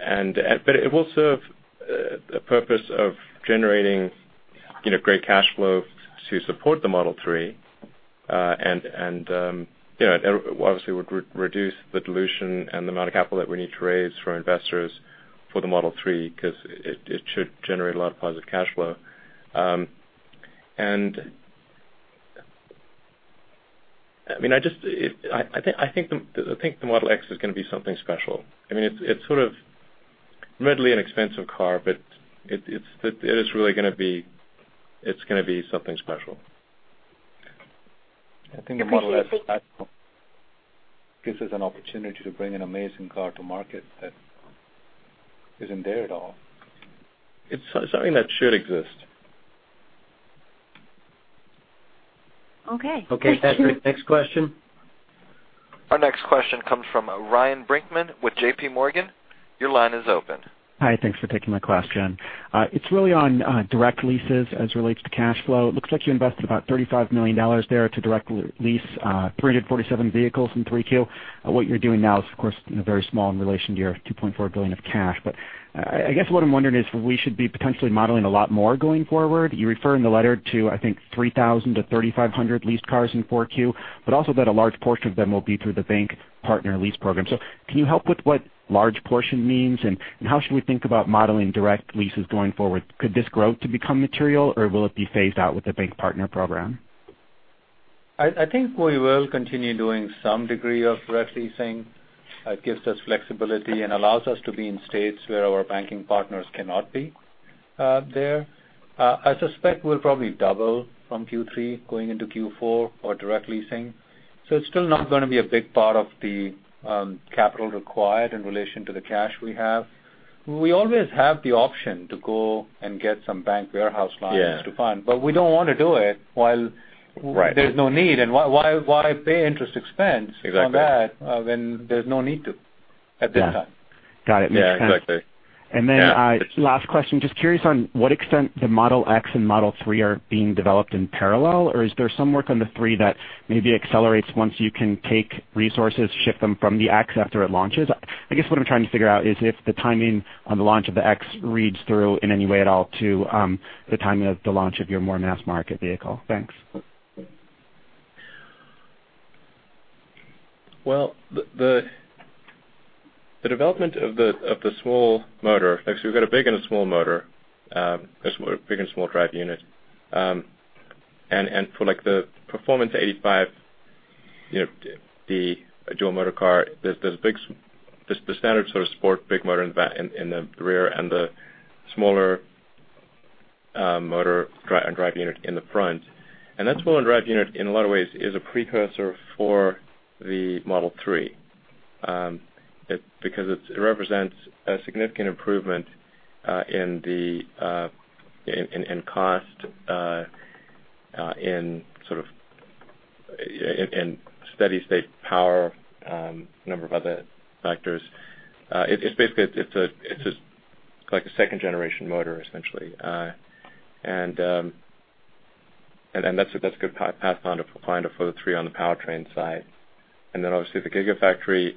It will serve a purpose of generating great cash flow to support the Model 3, and obviously would reduce the dilution and the amount of capital that we need to raise from investors for the Model 3, because it should generate a lot of positive cash flow. I think the Model X is going to be something special. I mean, it's sort of Admittedly an expensive car, but it is really going to be something special. I think the Model S gives us an opportunity to bring an amazing car to market that isn't there at all. It's something that should exist. Okay. Okay, Patrick, next question. Our next question comes from Ryan Brinkman with JPMorgan. Your line is open. Hi. Thanks for taking my question. It's really on direct leases as relates to cash flow. It looks like you invested about $35 million there to direct lease, 347 vehicles in Q3. What you're doing now is, of course, very small in relation to your $2.4 billion of cash. I guess what I'm wondering is if we should be potentially modeling a lot more going forward. You refer in the letter to, I think, 3,000 to 300 and 500 leased cars in Q4, but also that a large portion of them will be through the bank partner lease program. Can you help with what large portion means, and how should we think about modeling direct leases going forward? Could this grow to become material, or will it be phased out with the bank partner program? I think we will continue doing some degree of direct leasing. It gives us flexibility and allows us to be in states where our banking partners cannot be there. I suspect we'll probably double from Q3 going into Q4 for direct leasing. It's still not going to be a big part of the capital required in relation to the cash we have. We always have the option to go and get some bank warehouse lines. Yeah To fund. We don't want to do it while. Right There's no need. Why pay interest expense. Exactly On that when there's no need to at this time? Yeah. Got it. Makes sense. Yeah, exactly. Last question, just curious on what extent the Model X and Model 3 are being developed in parallel, or is there some work on the 3 that maybe accelerates once you can take resources, shift them from the X after it launches? I guess what I'm trying to figure out is if the timing on the launch of the X reads through in any way at all to the timing of the launch of your more mass market vehicle. Thanks. Well, the development of the small motor, actually, we've got a big and a small motor, big and small drive unit. For the Performance 85, the dual motor car, there's the standard sort of sport big motor in the rear and the smaller motor and drive unit in the front. That smaller drive unit, in a lot of ways, is a precursor for the Model 3. Because it represents a significant improvement in cost, in steady state power, a number of other factors. It's basically like a second-generation motor, essentially. That's a good path finder for the 3 on the powertrain side. Obviously, the Gigafactory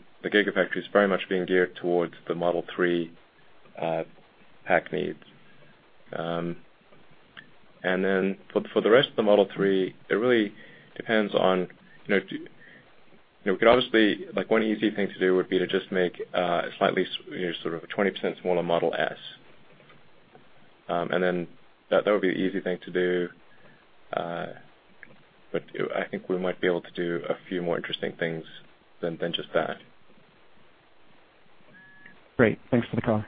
is very much being geared towards the Model 3 pack needs. For the rest of the Model 3, it really depends on, one easy thing to do would be to just make a slightly, sort of 20% smaller Model S. That would be an easy thing to do, but I think we might be able to do a few more interesting things than just that. Great. Thanks for the call.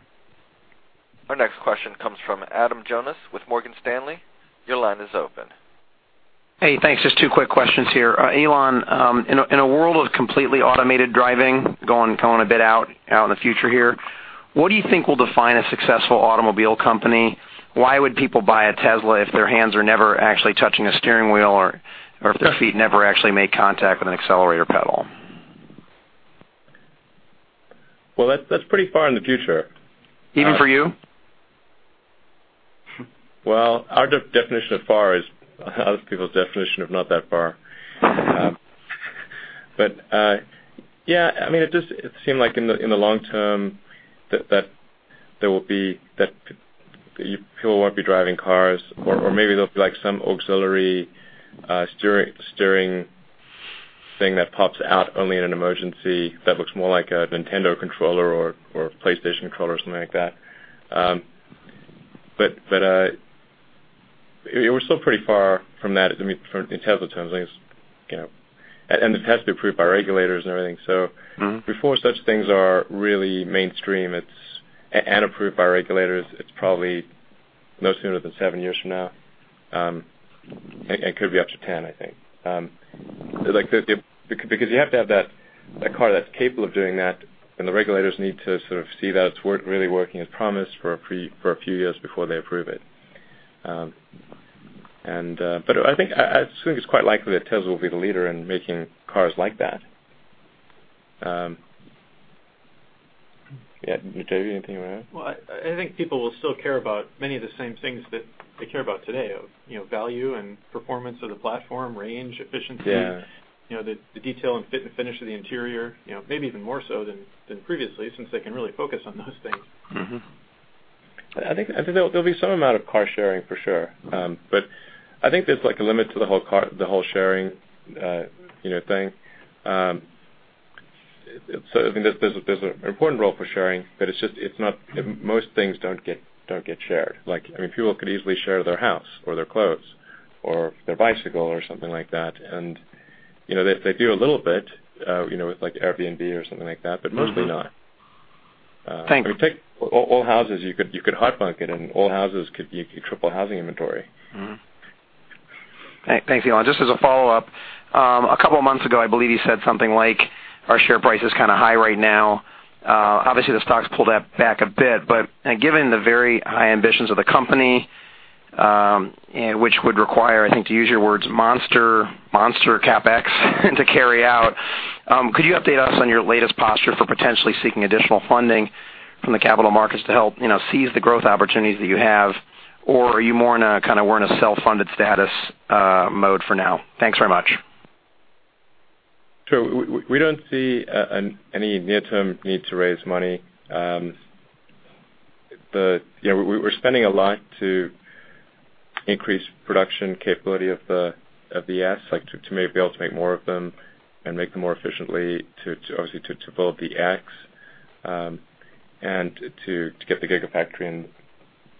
Our next question comes from Adam Jonas with Morgan Stanley. Your line is open. Hey, thanks. Just two quick questions here. Elon, in a world of completely automated driving, going a bit out in the future here, what do you think will define a successful automobile company? Why would people buy a Tesla if their hands are never actually touching a steering wheel or if their feet never actually make contact with an accelerator pedal? Well, that's pretty far in the future. Even for you? Well, our definition of far is other people's definition of not that far. Yeah, it seemed like in the long term that people won't be driving cars or maybe there'll be some auxiliary steering thing that pops out only in an emergency that looks more like a Nintendo controller or a PlayStation controller or something like that. We're still pretty far from that in Tesla terms. It has to be approved by regulators and everything. Before such things are really mainstream and approved by regulators, it's probably no sooner than seven years from now. It could be up to 10, I think. You have to have that car that's capable of doing that, and the regulators need to sort of see that it's really working as promised for a few years before they approve it. I think, I assume it's quite likely that Tesla will be the leader in making cars like that. Yeah, JB, anything you want to add? Well, I think people will still care about many of the same things that they care about today, value and performance of the platform, range, efficiency. Yeah The detail and fit and finish of the interior. Maybe even more so than previously, since they can really focus on those things. I think there'll be some amount of car sharing, for sure. I think there's a limit to the whole sharing thing. There's an important role for sharing, but most things don't get shared. People could easily share their house or their clothes. Their bicycle or something like that. They do a little bit with Airbnb or something like that, but mostly not. Thank you. Take all houses, you could hot bunk and all houses, you could triple housing inventory. Thanks, Elon. Just as a follow-up, a couple of months ago, I believe you said something like, "Our share price is kind of high right now." Obviously, the stock's pulled up back a bit, given the very high ambitions of the company, which would require, I think, to use your words, monster CapEx to carry out. Could you update us on your latest posture for potentially seeking additional funding from the capital markets to help seize the growth opportunities that you have? Or are you more in a self-funded status mode for now? Thanks very much. We don't see any near-term need to raise money. We're spending a lot to increase production capability of the S, to be able to make more of them and make them more efficiently, obviously, to build the X, and to get the Gigafactory and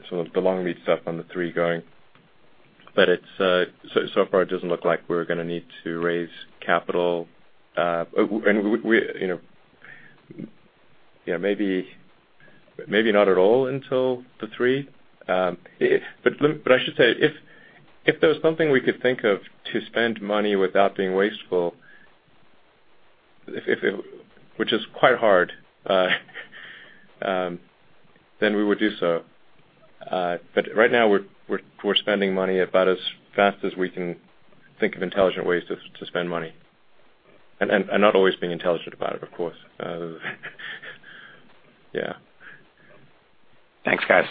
some of the long-lead stuff on the 3 going. So far, it doesn't look like we're going to need to raise capital. Maybe not at all until the 3. I should say, if there was something we could think of to spend money without being wasteful, which is quite hard, then we would do so. Right now, we're spending money about as fast as we can think of intelligent ways to spend money. Not always being intelligent about it, of course. Thanks, guys.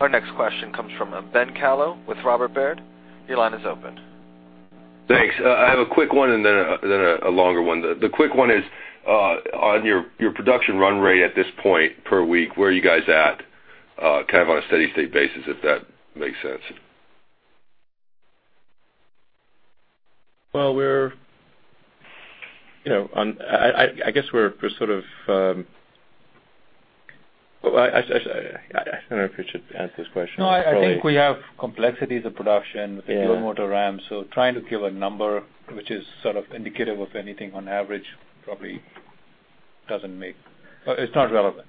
Our next question comes from Ben Kallo with Robert W. Baird. Your line is open. Thanks. I have a quick one and then a longer one. The quick one is on your production run rate at this point per week, where are you guys at on a steady-state basis, if that makes sense? Well, I don't know if you should answer this question. No, I think we have complexities of production. Yeah with the Dual Motor ramp. Trying to give a number which is indicative of anything on average probably doesn't make. It's not relevant.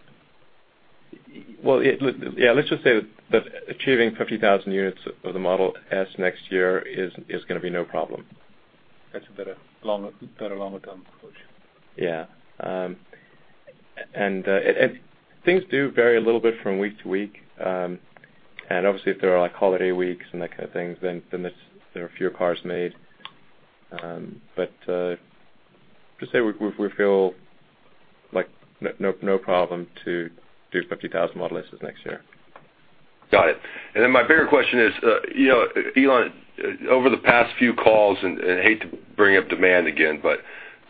Well, yeah, let's just say that achieving 50,000 units of the Model S next year is going to be no problem. That's a better longer-term approach. Yeah. Things do vary a little bit from week to week. Obviously if there are holiday weeks and that kind of things, then there are fewer cars made. To say, we feel like no problem to do 50,000 Model S's next year. Got it. My bigger question is, Elon, over the past few calls, I hate to bring up demand again, but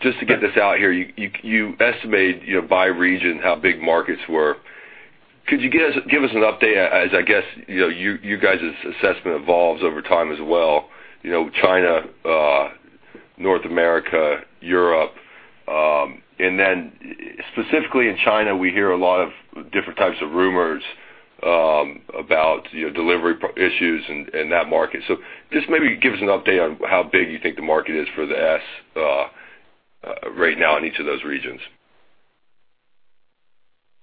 just to get this out here, you estimate by region how big markets were. Could you give us an update as, I guess, you guys' assessment evolves over time as well, China, North America, Europe. Specifically in China, we hear a lot of different types of rumors about delivery issues in that market. Just maybe give us an update on how big you think the market is for the Model S right now in each of those regions.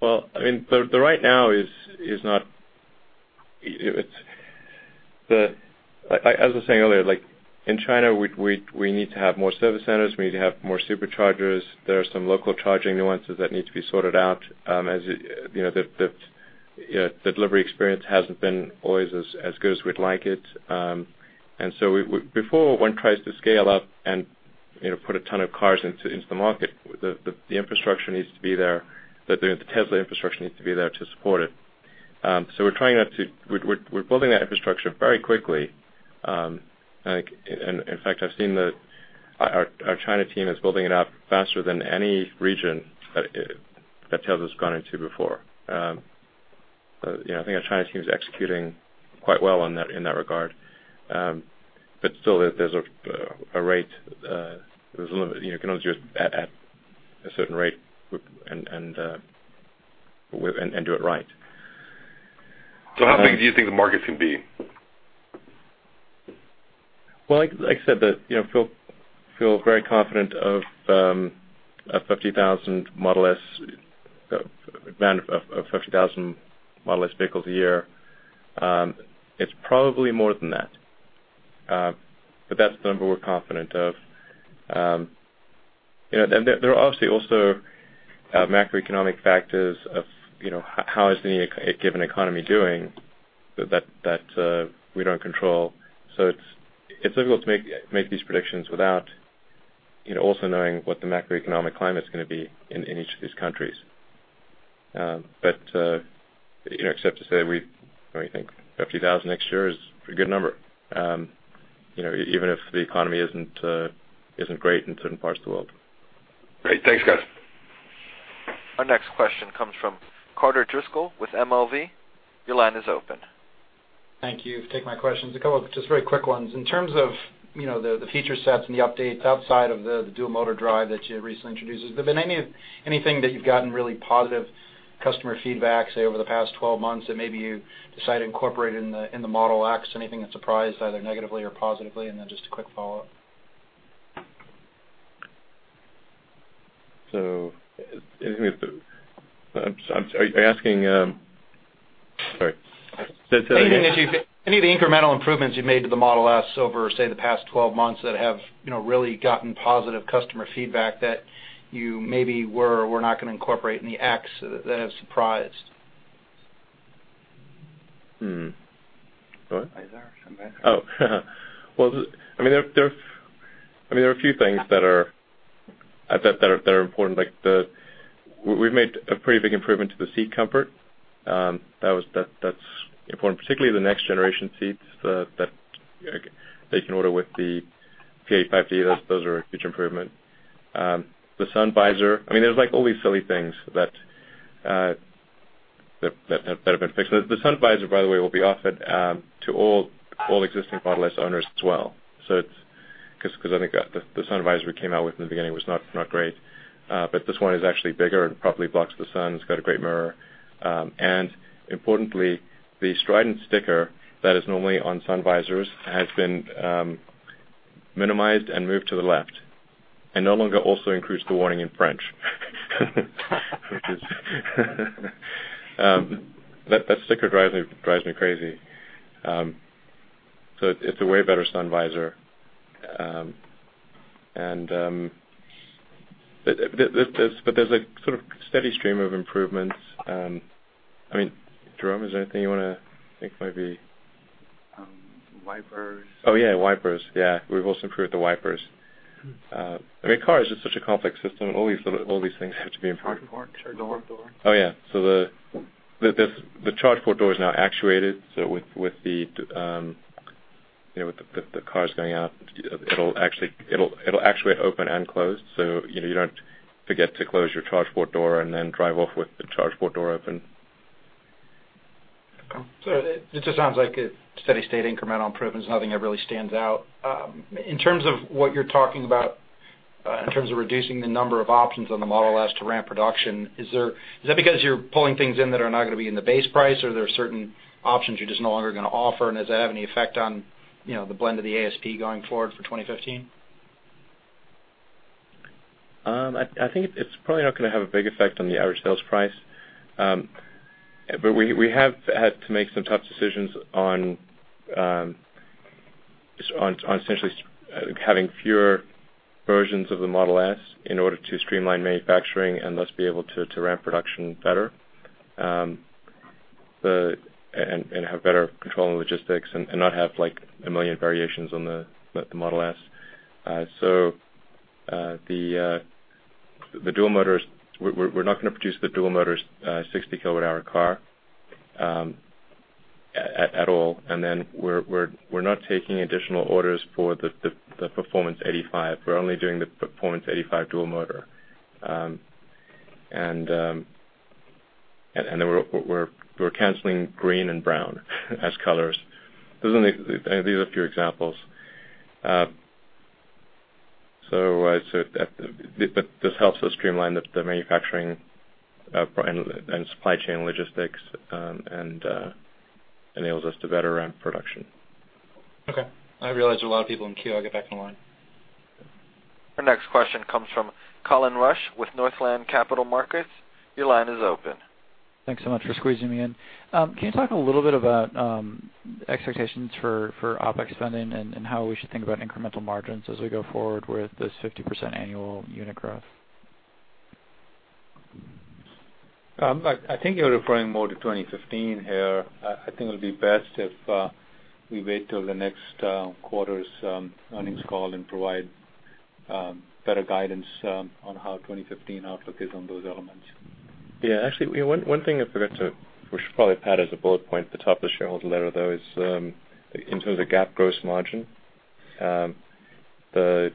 The right now is not. As I was saying earlier, in China, we need to have more service centers, we need to have more Superchargers. There are some local charging nuances that need to be sorted out. The delivery experience hasn't been always as good as we'd like it. Before one tries to scale up and put a ton of cars into the market, the infrastructure needs to be there, the Tesla infrastructure needs to be there to support it. We're building that infrastructure very quickly. In fact, I've seen our China team is building it up faster than any region that Tesla's gone into before. I think our China team is executing quite well in that regard. Still, there's a rate, there's a limit. You can always just add a certain rate and do it right. How big do you think the market can be? Like I said, feel very confident of 50,000 Model S vehicles a year. It's probably more than that. That's the number we're confident of. There are obviously also macroeconomic factors of how is any given economy doing that we don't control. It's difficult to make these predictions without also knowing what the macroeconomic climate's going to be in each of these countries. Except to say, we think 50,000 next year is a good number, even if the economy isn't great in certain parts of the world. Great. Thanks, guys. Our next question comes from Carter Driscoll with MLV. Your line is open. Thank you for taking my questions. A couple of just very quick ones. In terms of the feature sets and the updates outside of the Dual Motor drive that you recently introduced, has there been anything that you've gotten really positive customer feedback, say, over the past 12 months that maybe you decided to incorporate in the Model X? Anything that surprised either negatively or positively? Then just a quick follow-up. Are you asking, sorry. Any of the incremental improvements you've made to the Model S over, say, the past 12 months that have really gotten positive customer feedback that you maybe were or were not going to incorporate in the X that have surprised. Go on. Visor. Something. Well, there are a few things that are important, like we've made a pretty big improvement to the seat comfort. That's important, particularly the next-generation seats that they can order with the P85D. Those are a huge improvement. The sun visor. There's all these silly things that have been fixed. The sun visor, by the way, will be offered to all existing Model S owners as well. I think the sun visor we came out with in the beginning was not great. This one is actually bigger and properly blocks the sun. It's got a great mirror. Importantly, the strident sticker that is normally on sun visors has been minimized and moved to the left and no longer also includes the warning in French, which is That sticker drives me crazy. It's a way better sun visor. There's a sort of steady stream of improvements. Jerome, is there anything you want to think might be. Wipers. Oh, yeah, wipers. Yeah. We've also improved the wipers. A car is just such a complex system, and all these little things have to be improved. Charge port door. Oh, yeah. The charge port door is now actuated. With the cars going out, it'll actuate open and close. You don't forget to close your charge port door and then drive off with the charge port door open. It just sounds like a steady state incremental improvement. There's nothing that really stands out. In terms of what you're talking about, in terms of reducing the number of options on the Model S to ramp production, is that because you're pulling things in that are not going to be in the base price, or there are certain options you're just no longer going to offer, and does that have any effect on the blend of the ASP going forward for 2015? I think it's probably not going to have a big effect on the average sales price. We have had to make some tough decisions on essentially having fewer versions of the Model S in order to streamline manufacturing and thus be able to ramp production better, and have better control and logistics and not have a million variations on the Model S. The dual motors, we're not going to produce the dual motors 60-kilowatt hour car at all. We're not taking additional orders for the Performance 85. We're only doing the Performance 85 dual motor. We're canceling green and brown as colors. These are a few examples. This helps us streamline the manufacturing and supply chain logistics, and enables us to better ramp production. Okay. I realize there are a lot of people in queue. I'll get back in the line. Our next question comes from Colin Rusch with Northland Capital Markets. Your line is open. Thanks so much for squeezing me in. Can you talk a little bit about expectations for OpEx spending and how we should think about incremental margins as we go forward with this 50% annual unit growth? I think you're referring more to 2015 here. I think it would be best if we wait till the next quarter's earnings call and provide better guidance on how 2015 outlook is on those elements. Yeah, actually, one thing we should probably pad as a bullet point at the top of the shareholder letter, though, is in terms of GAAP gross margin. Our GAAP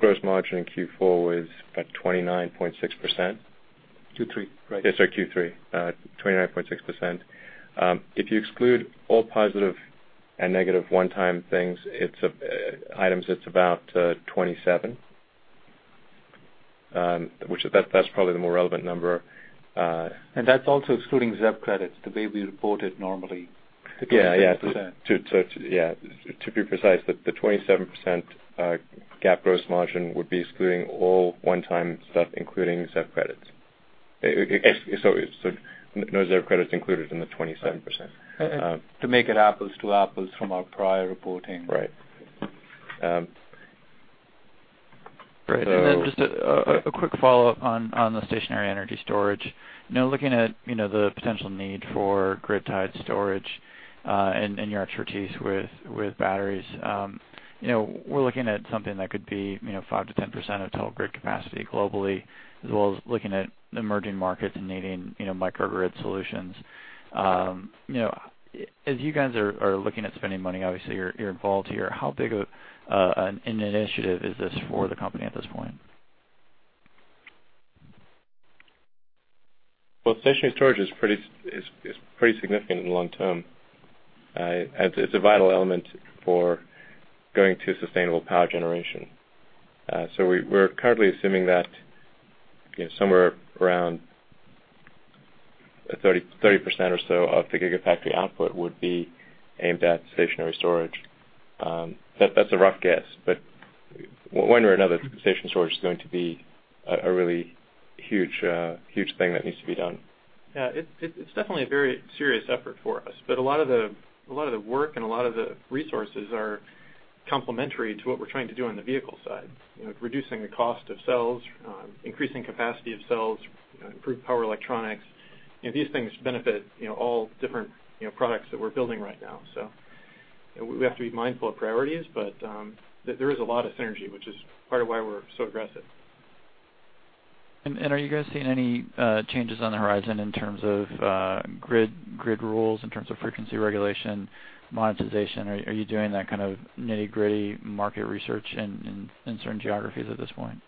gross margin in Q4 was like 29.6%. Q3, right? Yes, Q3 29.6%. If you exclude all positive and negative one-time things, items, it's about 27%, which that's probably the more relevant number. That's also excluding ZEV credits the way we report it normally. Yeah. 27%. Yeah. To be precise, the 27% GAAP gross margin would be excluding all one-time stuff, including ZEV credits. No ZEV credit's included in the 27%. To make it apples to apples from our prior reporting. Right. Right. Just a quick follow-up on the stationary energy storage. Now looking at the potential need for grid-tied storage, and your expertise with batteries. We're looking at something that could be 5%-10% of total grid capacity globally, as well as looking at emerging markets and needing microgrid solutions. As you guys are looking at spending money, obviously, you're involved here, how big an initiative is this for the company at this point? Well, stationary storage is pretty significant in the long term. It's a vital element for going to sustainable power generation. We're currently assuming that somewhere around 30% or so of the Gigafactory output would be aimed at stationary storage. That's a rough guess, but one way or another, stationary storage is going to be a really huge thing that needs to be done. Yeah. It's definitely a very serious effort for us, but a lot of the work and a lot of the resources are complementary to what we're trying to do on the vehicle side. Reducing the cost of cells, increasing capacity of cells, improved power electronics. These things benefit all different products that we're building right now. We have to be mindful of priorities, but there is a lot of synergy, which is part of why we're so aggressive. Are you guys seeing any changes on the horizon in terms of grid rules, in terms of frequency regulation, monetization? Are you doing that kind of nitty-gritty market research in certain geographies at this point?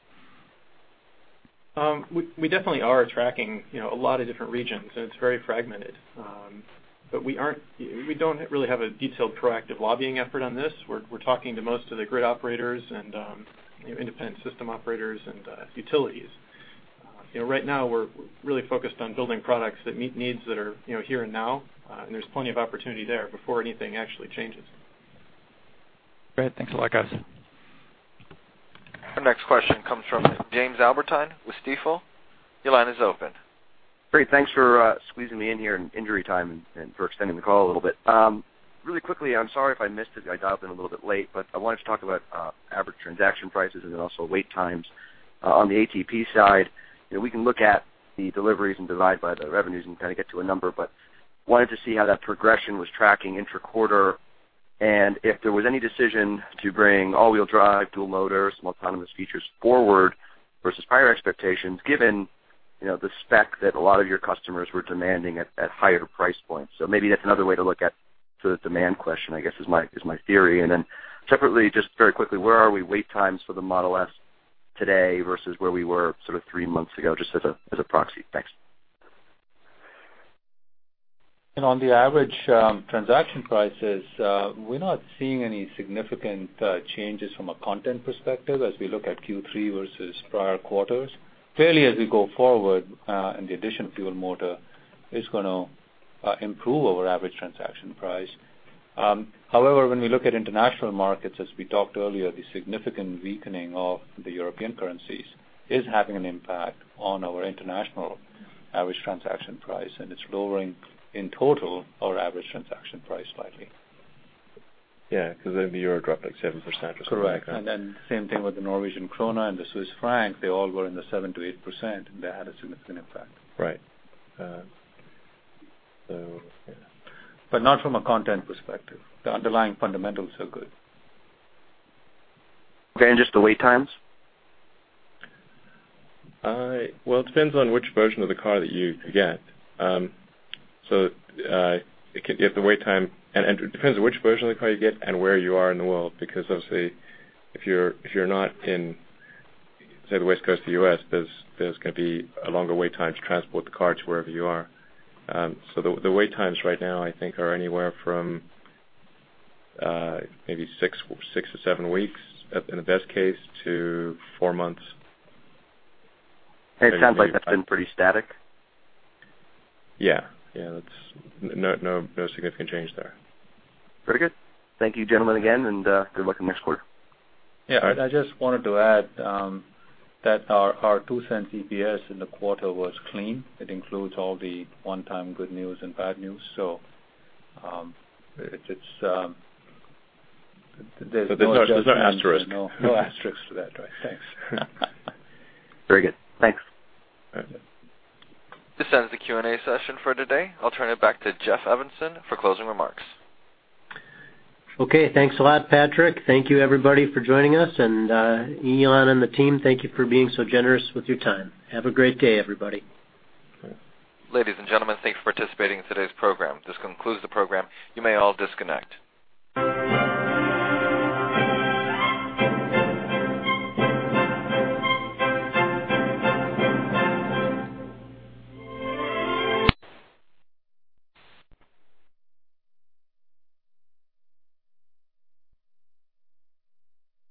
We definitely are tracking a lot of different regions. It's very fragmented. We don't really have a detailed proactive lobbying effort on this. We're talking to most of the grid operators and independent system operators and utilities. Right now, we're really focused on building products that meet needs that are here and now, and there's plenty of opportunity there before anything actually changes. Great. Thanks a lot, guys. Our next question comes from James Albertine with Stifel. Your line is open. Great. Thanks for squeezing me in here in injury time and for extending the call a little bit. Really quickly, I'm sorry if I missed it, I dialed in a little bit late, but I wanted to talk about average transaction prices and then also wait times on the ATP side. We can look at the deliveries and divide by the revenues and kind of get to a number, but wanted to see how that progression was tracking intra-quarter and if there was any decision to bring all-wheel drive, Dual Motor, some autonomous features forward versus prior expectations, given the spec that a lot of your customers were demanding at higher price points. Maybe that's another way to look at the demand question, I guess, is my theory. separately, just very quickly, where are we wait times for the Model S today versus where we were three months ago, just as a proxy. Thanks. On the average transaction prices, we're not seeing any significant changes from a content perspective as we look at Q3 versus prior quarters. Clearly, as we go forward and the addition of Dual Motor is going to improve our average transaction price. However, when we look at international markets, as we talked earlier, the significant weakening of the European currencies is having an impact on our international average transaction price, and it's lowering, in total, our average transaction price slightly. Yeah, because the euro dropped, like, 7% or something like that. Correct. same thing with the Norwegian krone and the Swiss franc. They all were in the 7%-8%, and they had a significant impact. Right. Yeah. Not from a content perspective. The underlying fundamentals are good. Dan, just the wait times? It depends on which version of the car that you get. It could be the wait time, and it depends on which version of the car you get and where you are in the world, because obviously if you're not in, say, the West Coast of the U.S., there's going to be a longer wait time to transport the car to wherever you are. The wait times right now, I think, are anywhere from maybe six to seven weeks in the best case to four months. It sounds like that's been pretty static. Yeah. No significant change there. Very good. Thank you, gentlemen, again. Good luck on next quarter. Yeah. I just wanted to add that our $0.02 EPS in the quarter was clean. It includes all the one-time good news and bad news. There's no asterisk. No asterisk to that. Right. Thanks. Very good. Thanks. All right. This ends the Q&A session for today. I'll turn it back to Jeff Evanson for closing remarks. Okay. Thanks a lot, Patrick. Thank you everybody for joining us. Elon and the team, thank you for being so generous with your time. Have a great day, everybody. Ladies and gentlemen, thanks for participating in today's program. This concludes the program. You may all disconnect.